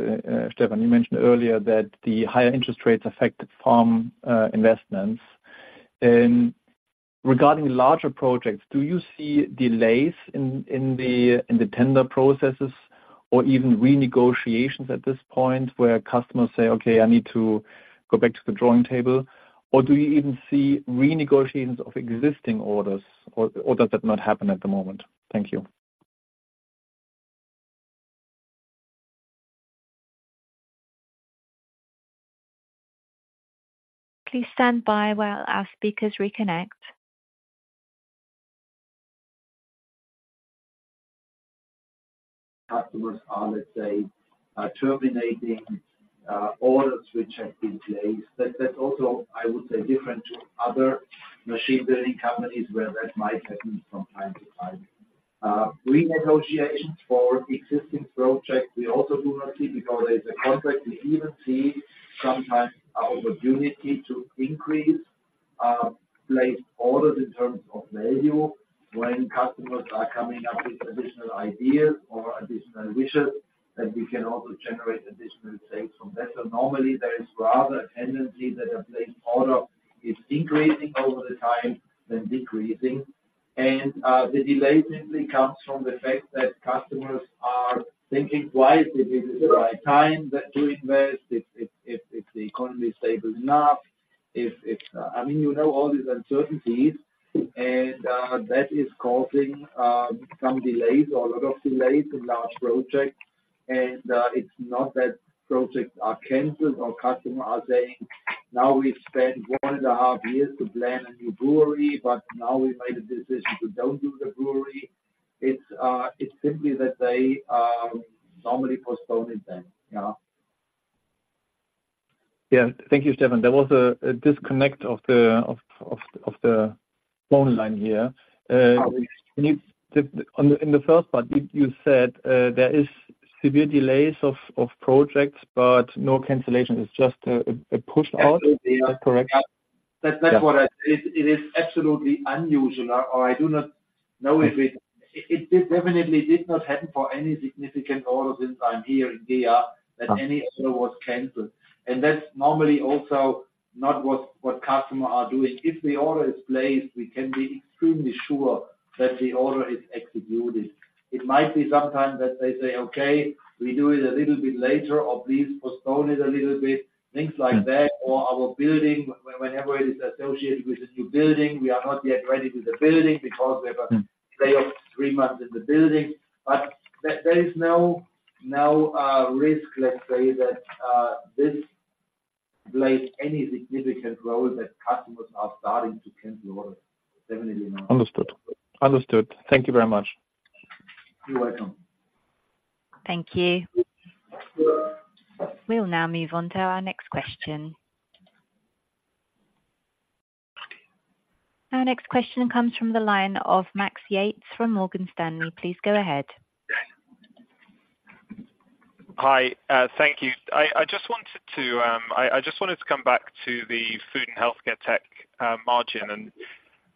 Stefan, you mentioned earlier that the higher interest rates affected Pharm investments. Regarding larger projects, do you see delays in the tender processes or even renegotiations at this point, where customers say, "Okay, I need to go back to the drawing table?" Or do you even see renegotiations of existing orders, or does that not happen at the moment? Thank you. Please stand by while our speakers reconnect. Customers are, let's say, terminating orders which have been placed. That's also, I would say, different to other machine building companies, where that might happen from time to time. Renegotiation for existing projects, we also do not see because there's a contract. We even see sometimes an opportunity to increase place orders in terms of value, when customers are coming up with additional ideas or additional wishes, that we can also generate additional sales from that. Normally, there is rather a tendency that a placed order is increasing over the time than decreasing. The delay simply comes from the fact that customers are thinking twice, if it is the right time to invest, if the economy is stable enough, I mean, you know, all these uncertainties, and that is causing some delays or a lot of delays in large projects. It's not that projects are canceled or customers are saying, "Now, we've spent 1.5 years to plan a new brewery, but now we made a decision to don't do the brewery." It's simply that they normally postpone it then. Yeah. Yeah. Thank you, Stefan. There was a disconnect of the phone line here. Okay. On the—in the first part, you said there is severe delays of projects, but no cancellation. It's just a push out. Absolutely. Is that correct? Yeah. That's what It is absolutely unusual, or I do not know if it definitely did not happen for any significant order since I'm here in GEA, that any order was canceled. That's normally also not what customers are doing. If the order is placed, we can be extremely sure that the order is executed. It might be sometimes that they say: "Okay, we do it a little bit later, or please postpone it a little bit." Things like that, or our building, whenever it is associated with a new building, we are not yet ready with the building because we have a lay-off three months in the building, but there is no risk, let's say, that this plays any significant role that customers are starting to cancel orders. Definitely not. Understood. Understood. Thank you very much. You're welcome. Thank you. We'll now move on to our next question. Our next question comes from the line of Max Yates from Morgan Stanley. Please go ahead. Hi, thank you. I just wanted to come back to the food and healthcare tech margin,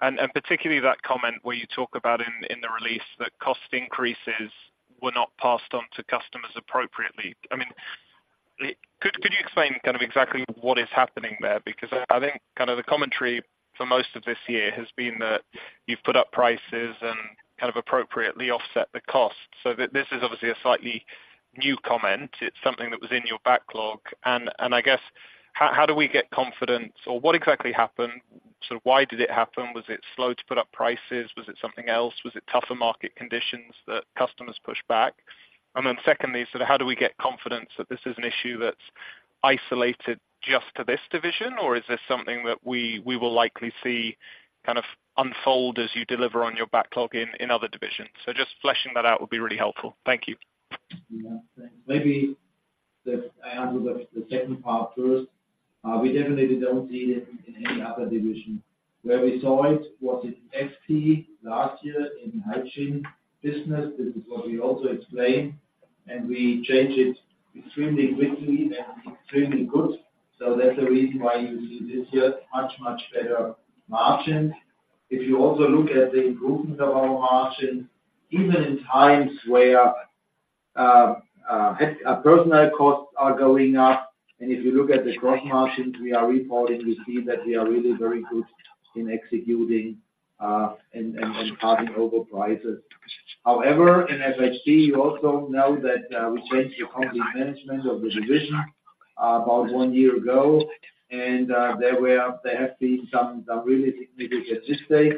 and particularly that comment where you talk about in the release, that cost increases were not passed on to customers appropriately. Could you explain kind of exactly what is happening there? Because I think kind of the commentary for most of this year has been that you've put up prices and kind of appropriately offset the cost. This is obviously a slightly new comment. It's something that was in your backlog. I guess, how do we get confidence, or what exactly happened? So why did it happen? Was it slow to put up prices? Was it something else? Was it tougher market conditions that customers pushed back? Secondly, so how do we get confidence that this is an issue that's isolated just to this division, or is this something that we will likely see kind of unfold as you deliver on your backlog in other divisions? Just fleshing that out would be really helpful. Thank you. Yeah. Maybe let me answer the second part first. We definitely don't see it in any other division. Where we saw it was in FT last year, in hygiene business. This is what we also explained, and we changed it extremely quickly and extremely good. Tehat's the reason why you see this year much, much better margins. If you also look at the improvements of our margins, even in times where personnel costs are going up, and if you look at the gross margins we are reporting, you see that we are really very good in executing and passing over prices. However, in FHT, you also know that we changed the company management of the division about one year ago, and there have been some really significant mistakes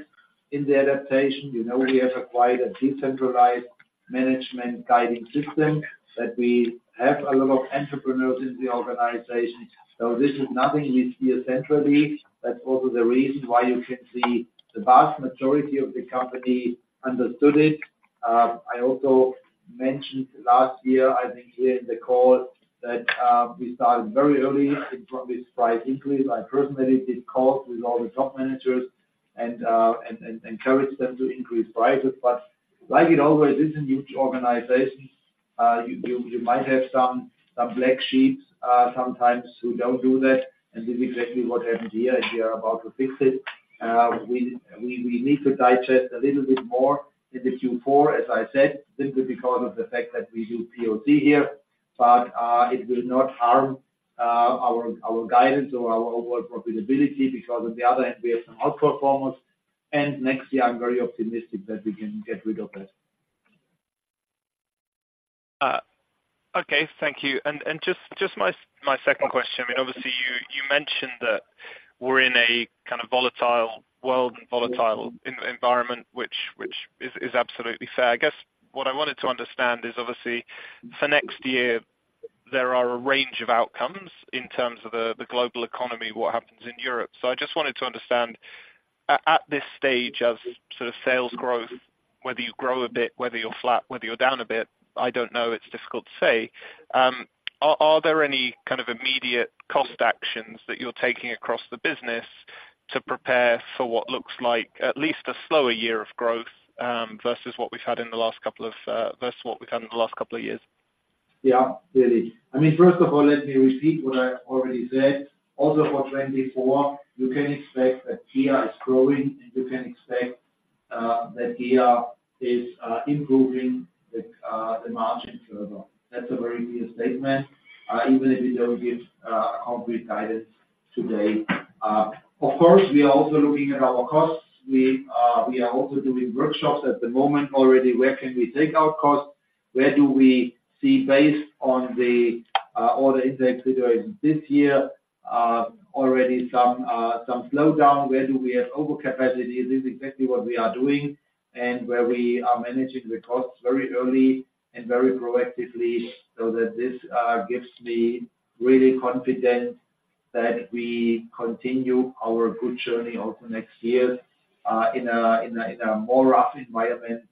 in the adaptation. You know, we have quite a decentralized management guiding system, that we have a lot of entrepreneurs in the organization. This is nothing you see centrally. That's also the reason why you can see the vast majority of the company understood it. I also mentioned last year, I think here in the call, that we started very early in from this price increase. I personally did calls with all the top managers and encouraged them to increase prices. Like it always is a huge organization, you might have some black sheeps sometimes who don't do that, and this is exactly what happened here, and we are about to fix it. We need to digest a little bit more in the Q4, as I said, simply because of the fact that we do POC here. It will not harm our guidance or our overall profitability, because on the other hand, we have some outperformers. And next year, I'm very optimistic that we can get rid of that. Okay. Thank you. My second question, I mean, obviously, you mentioned that we're in a kind of volatile world and volatile environment, which is absolutely fair. What I wanted to understand is, obviously, for next year, there are a range of outcomes in terms of the global economy, what happens in Europe. I just wanted to understand, at this stage of sort of sales growth, whether you grow a bit, whether you're flat, whether you're down a bit, I don't know, it's difficult to say. Are there any kind of immediate cost actions that you're taking across the business to prepare for what looks like at least a slower year of growth, versus what we've had in the last couple of years? Yeah, really. I mean, first of all, let me repeat what I already said. Also for 2024, you can expect that GEA is growing, and you can expect that GEA is improving the margin further. That's a very clear statement, even if we don't give concrete guidance today. Of course, we are also looking at our costs. We are also doing workshops at the moment already. Where can we take our costs? Where do we see based on the order index we do this year already some slowdown? Where do we have overcapacity? This is exactly what we are doing and where we are managing the costs very early and very proactively, so that this gives me really confident that we continue our good journey over next year in a more rough environment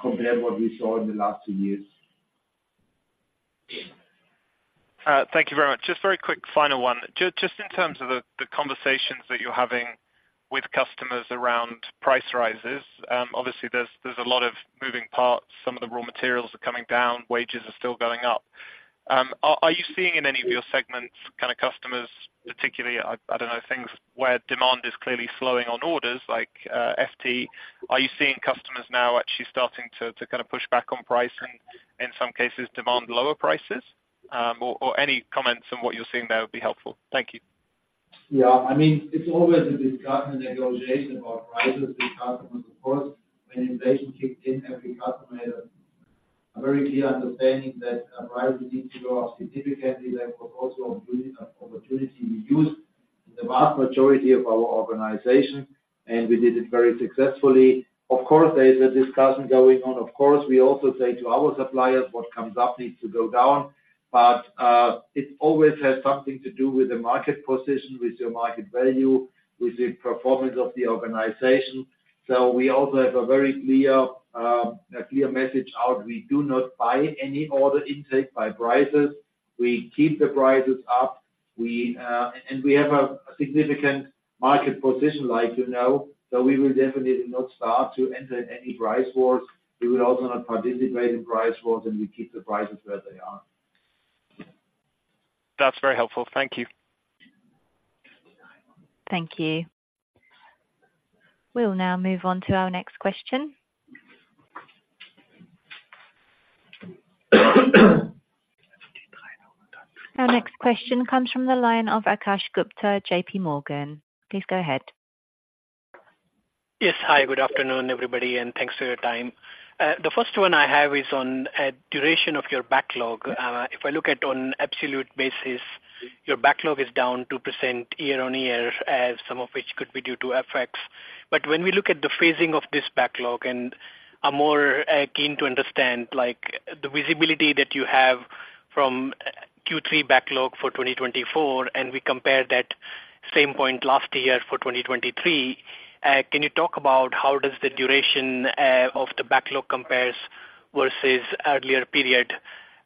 compared what we saw in the last two years. Thank you very much. Just very quick final one. Just in terms of the conversations that you're having with customers around price rises, obviously, there's a lot of moving parts. Some of the raw materials are coming down, wages are still going up. Are you seeing in any of your segments kind of customers, particularly, I don't know, things where demand is clearly slowing on orders like FT. Are you seeing customers now actually starting to kind of push back on price and in some cases demand lower prices? Or any comments on what you're seeing there would be helpful. Thank you. Yeah. I mean, it's always a discussion, negotiation about prices with customers. Of course, when inflation kicked in, every customer made a very clear understanding that prices need to go up significantly. That was also a good opportunity we used in the vast majority of our organization, and we did it very successfully. Of course, there is a discussion going on. Of course, we also say to our suppliers, what comes up needs to go down. But it always has something to do with the market position, with your market value, with the performance of the organization. We also have a very clear message out. We do not buy any order intake by prices. We keep the prices up. We. And we have a significant market position, like, you know, so we will definitely not start to enter any price wars. We will also not participate in price wars, and we keep the prices where they are. That's very helpful. Thank you. Thank you. We'll now move on to our next question. Our next question comes from the line of Akash Gupta, JPMorgan. Please go ahead. Yes. Hi, good afternoon, everybody, and thanks for your time. The first one I have is on duration of your backlog. If I look at on absolute basis, your backlog is down 2% year-on-year, as some of which could be due to FX. But when we look at the phasing of this backlog and are more keen to understand, like the visibility that you have from Q3 backlog for 2024, and we compare that same point last year for 2023, can you talk about how does the duration of the backlog compares versus earlier period?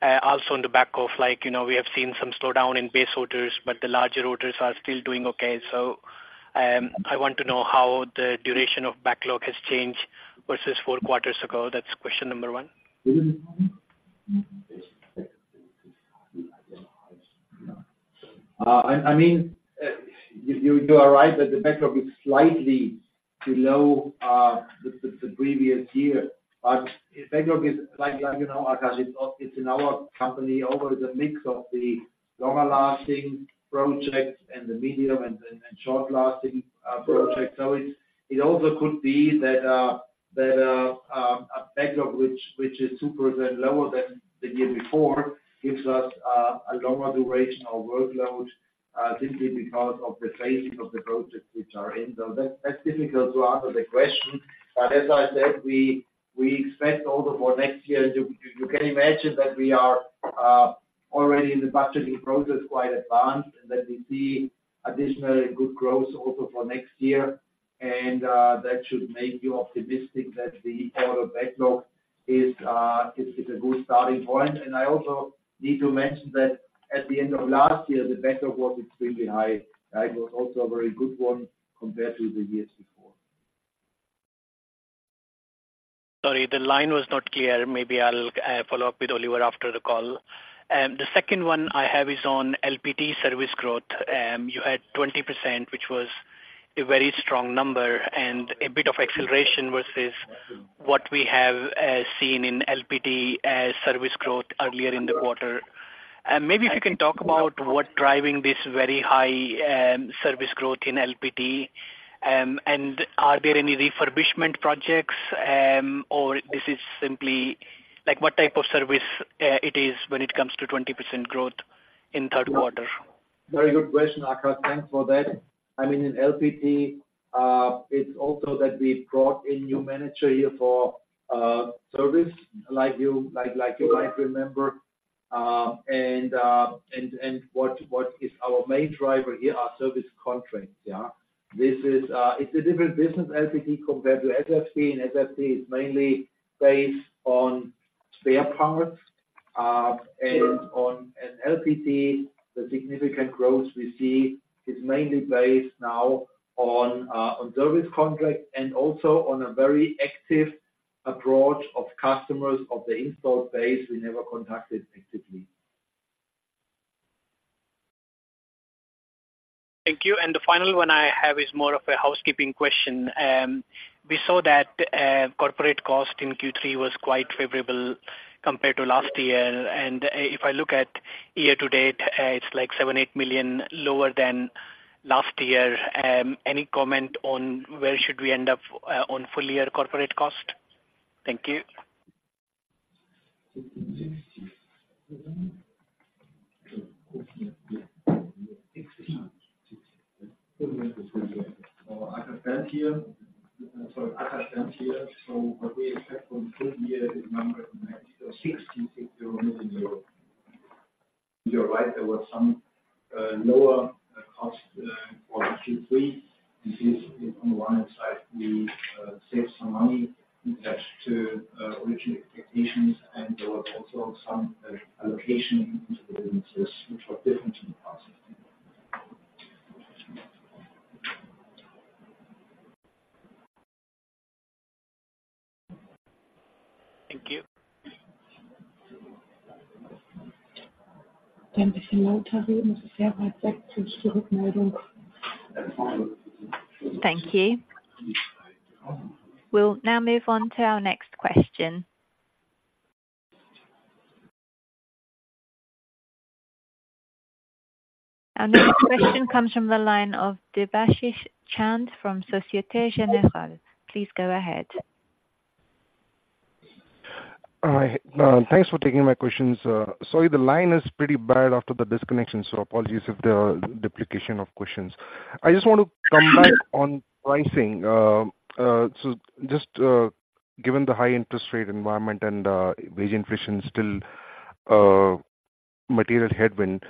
Also on the back of like, you know, we have seen some slowdown in base orders, but the larger orders are still doing okay. I want to know how the duration of backlog has changed versus four quarters ago. That's question number one. I mean, you are right that the backlog is slightly below the previous year, but if backlog is like, you know, Akash, it's in our company, over the mix of the longer lasting projects and the medium and short lasting projects. It also could be that a backlog which is 2% lower than the year before gives us a longer duration of workload simply because of the phasing of the projects which are in. That's difficult to answer the question, but as I said, we expect also for next year. You can imagine that we are already in the budgeting process, quite advanced, and that we see additional good growth also for next year. That should make you optimistic that the order backlog is a good starting point. I also need to mention that at the end of last year, the backlog was extremely high. It was also a very good one compared to the years before. Sorry, the line was not clear. Maybe I'll follow up with Oliver after the call. The second one I have is on LPT service growth. You had 20%, which was a very strong number and a bit of acceleration versus what we have seen in LPT as service growth earlier in the quarter. Maybe if you can talk about what driving this very high service growth in LPT. Are there any refurbishment projects, or this is simply like, what type of service it is when it comes to 20% growth in Q3? Very good question, Akash. Thanks for that. I mean, in LPT, it's also that we brought a new manager here for service, like you might remember. What is our main driver here are service contracts, yeah. This is, it's a different business, LPT, compared to SFT, and SFT is mainly based on spare parts, and LPT, the significant growth we see is mainly based now on service contracts and also on a very active approach of customers of the installed base we never contacted actively. Thank you. The final one I have is more of a housekeeping question. We saw that corporate cost in Q3 was quite favorable compared to last year. If I look at year to date, it's like 7-8 million lower than last year. Any comment on where should we end up on full year corporate cost? Thank you. What we expect from full year is EUR 66 million. You're right, there were some lower cost for Q3. This is on one side, we saved some money compared to original expectations, and there were also some allocation into the businesses, which were different in the past. Thank you. Thank you. We'll now move on to our next question. Our next question comes from the line of Debashis Chand from Société Générale. Please go ahead. Hi, thanks for taking my questions. Sorry, the line is pretty bad after the disconnection, so apologies if there are duplication of questions. I just want to come back on pricing. So just, given the high interest rate environment and wage inflation still material headwind,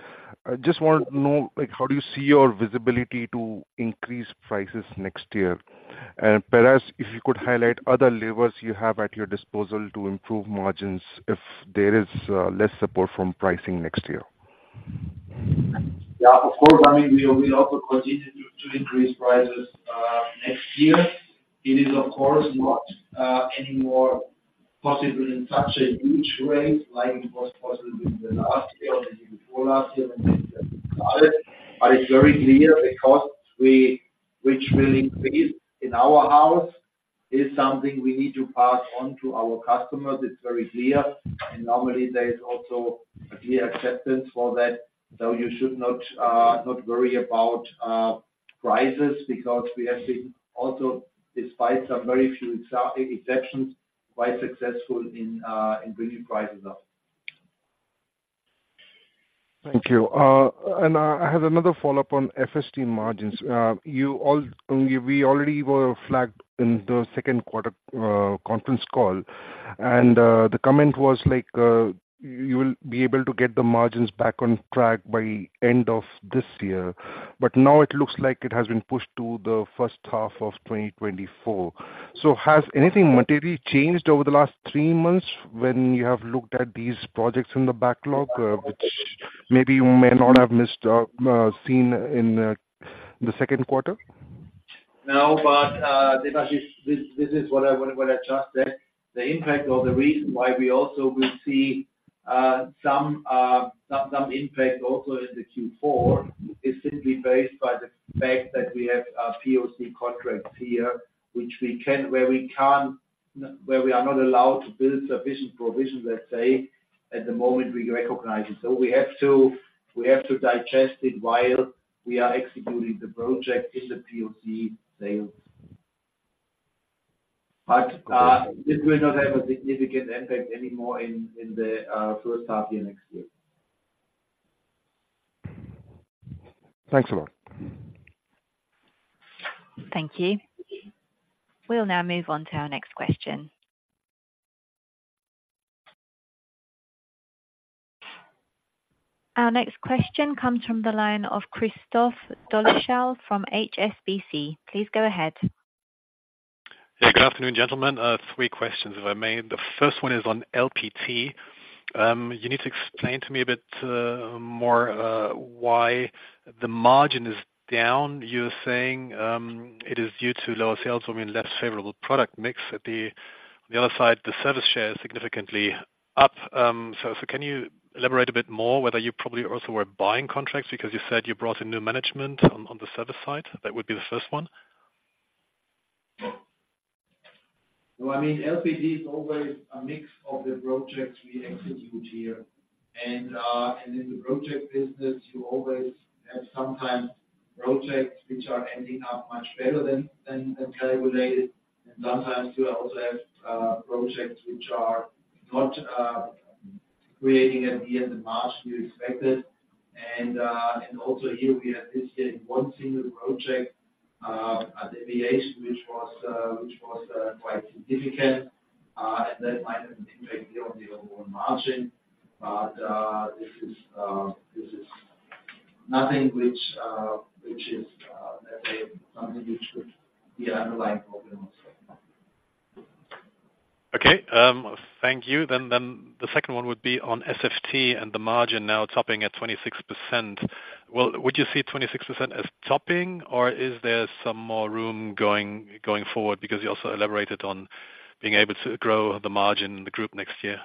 I just want to know, like, how do you see your visibility to increase prices next year? Perhaps if you could highlight other levers you have at your disposal to improve margins, if there is less support from pricing next year. Yeah, of course. I mean, we also continue to increase prices next year. It is, of course, not any more possible in such a huge rate, like it was possible in the last year or the before last year when we started. It's very clear, the costs which will increase in our house, is something we need to pass on to our customers. It's very clear, and normally there is also a clear acceptance for that. You should not not worry about prices, because we have been also, despite some very few exceptions, quite successful in bringing prices up. Thank you. I have another follow-up on SFT margins. We already were flagged in the Q2 conference call, and the comment was like, you will be able to get the margins back on track by end of this year, but now it looks like it has been pushed to the first half of 2024. Has anything materially changed over the last three months when you have looked at these projects in the backlog, which maybe you may not have missed, seen in the Q2? No, but, Debashish, this is what I just said. The impact or the reason why we also will see some impact also in the Q4 is simply based by the fact that we have POC contracts here, where we can't, where we are not allowed to build sufficient provision, let's say, at the moment we recognize it. We have to digest it while we are executing the project in the POC sales. But, this will not have a significant impact anymore in the first half year next year. Thanks a lot. Thank you. We'll now move on to our next question. Our next question comes from the line of Christoph Dolleschal from HSBC. Please go ahead. Hey, good afternoon, gentlemen. Three questions, if I may. The first one is on LPT. You need to explain to me a bit more why the margin is down. You're saying it is due to lower sales, or I mean, less favorable product mix. At the other side, the service share is significantly up. Can you elaborate a bit more, whether you probably also were buying contracts? Because you said you brought in new management on the service side. That would be the first one. Well, I mean, LPT is always a mix of the projects we execute here. In the project business, you always have sometimes projects which are ending up much better than calculated, and sometimes you also have projects which are not creating at the end the margin you expected. Also here, we have this year one single project at aviation, which was quite significant, and that might have an impact on the overall margin. This is nothing which is, let's say, something which could be an underlying problem. Okay. Thank you. Then the second one would be on SFT and the margin now topping at 26%. Well, would you see 26% as topping, or is there some more room going forward? Because you also elaborated on being able to grow the margin in the group next year.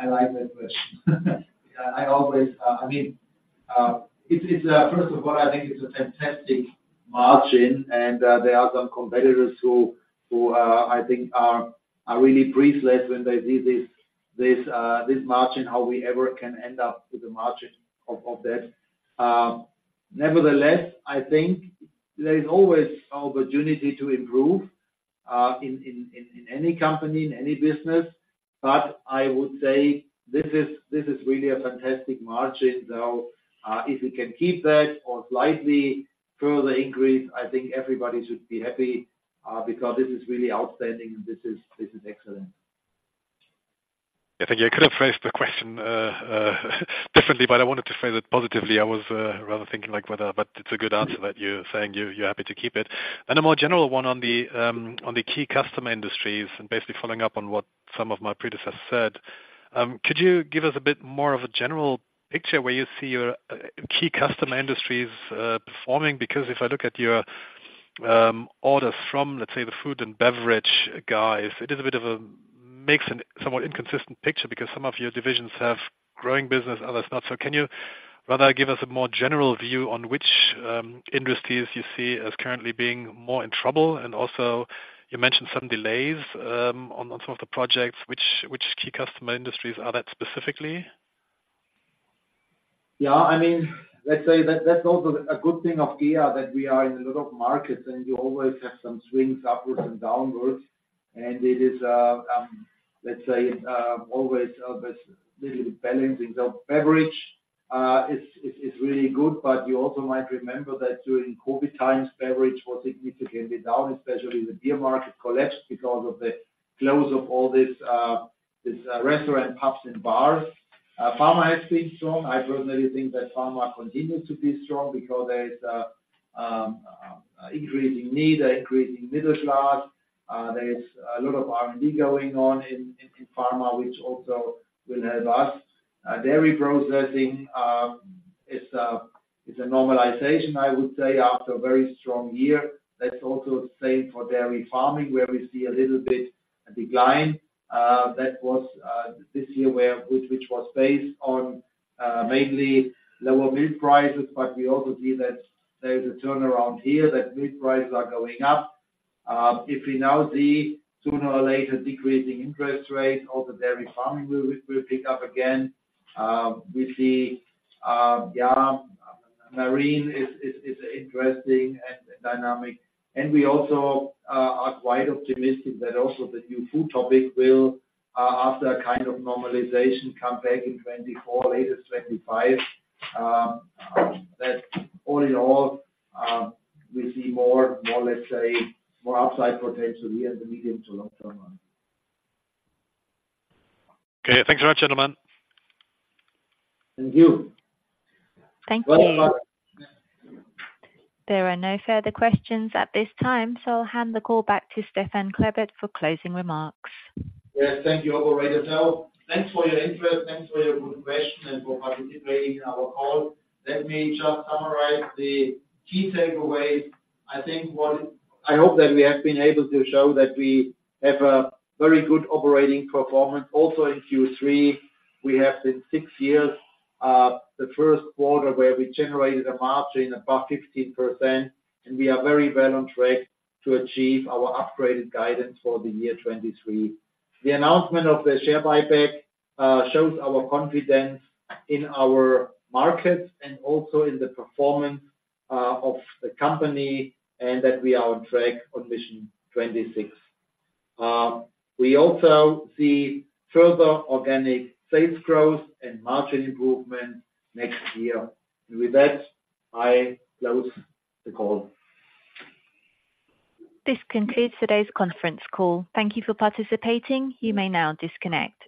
I like that question. Yeah, I always, I mean, it's first of all, I think it's a fantastic margin, and there are some competitors who I think are really breathless when they see this, this margin, how we ever can end up with a margin of that. Nevertheless, I think there is always opportunity to improve in any company, in any business, but I would say this is, this is really a fantastic margin, though. If we can keep that or slightly further increase, I think everybody should be happy because this is really outstanding. This is, this is excellent. Yeah, thank you. I could have phrased the question differently, but I wanted to phrase it positively. I was rather thinking, like, whether... But it's a good answer that you're saying you, you're happy to keep it. A more general one on the key customer industries, and basically following up on what some of my predecessors said. Could you give us a bit more of a general picture where you see your key customer industries performing? Because if I look at your orders from, let's say, the food and beverage guys, it is a bit of a mix and somewhat inconsistent picture, because some of your divisions have growing business, others not so. Can you rather give us a more general view on which industries you see as currently being more in trouble? Also, you mentioned some delays on some of the projects. Which key customer industries are that specifically? Yeah, I mean, let's say that that's also a good thing of GEA, that we are in a lot of markets, and you always have some swings upwards and downwards. And it is, let's say, always, this little balancing. So beverage is really good, but you also might remember that during COVID times, beverage was significantly down, especially the beer market collapsed because of the close of all this, restaurant, pubs, and bars. Pharma has been strong. I personally think that pharma continues to be strong because there is a, a increasing need, a increasing middle class. There is a lot of R&D going on in pharma, which also will help us. Dairy processing is a normalization, I would say, after a very strong year. That's also the same for dairy farming, where we see a little bit a decline that was this year, which was based on mainly lower milk prices, but we also see that there's a turnaround here, that milk prices are going up. If we now see sooner or later decreasing interest rates, all the dairy farming will pick up again. We see marine is interesting and dynamic. And we also are quite optimistic that also the new food topic will after a kind of normalization come back in 2024, latest 2025. That all in all we see more, let's say, more upside potential here in the medium to long term. Okay. Thanks very much, gentlemen. Thank you. Thank you. Very much. There are no further questions at this time, so I'll hand the call back to Stefan Klebert for closing remarks. Yes, thank you, operator. So thanks for your interest, thanks for your good questions, and for participating in our call. Let me just summarize the key takeaways. I think I hope that we have been able to show that we have a very good operating performance. Also, in Q3, we have in six years, the first quarter where we generated a margin above 15%, and we are very well on track to achieve our upgraded guidance for the year 2023. The announcement of the share buyback shows our confidence in our markets and also in the performance of the company, and that we are on track on Mission 2026. We also see further organic sales growth and margin improvement next year. And with that, I close the call. This concludes today's conference call. Thank you for participating. You may now disconnect.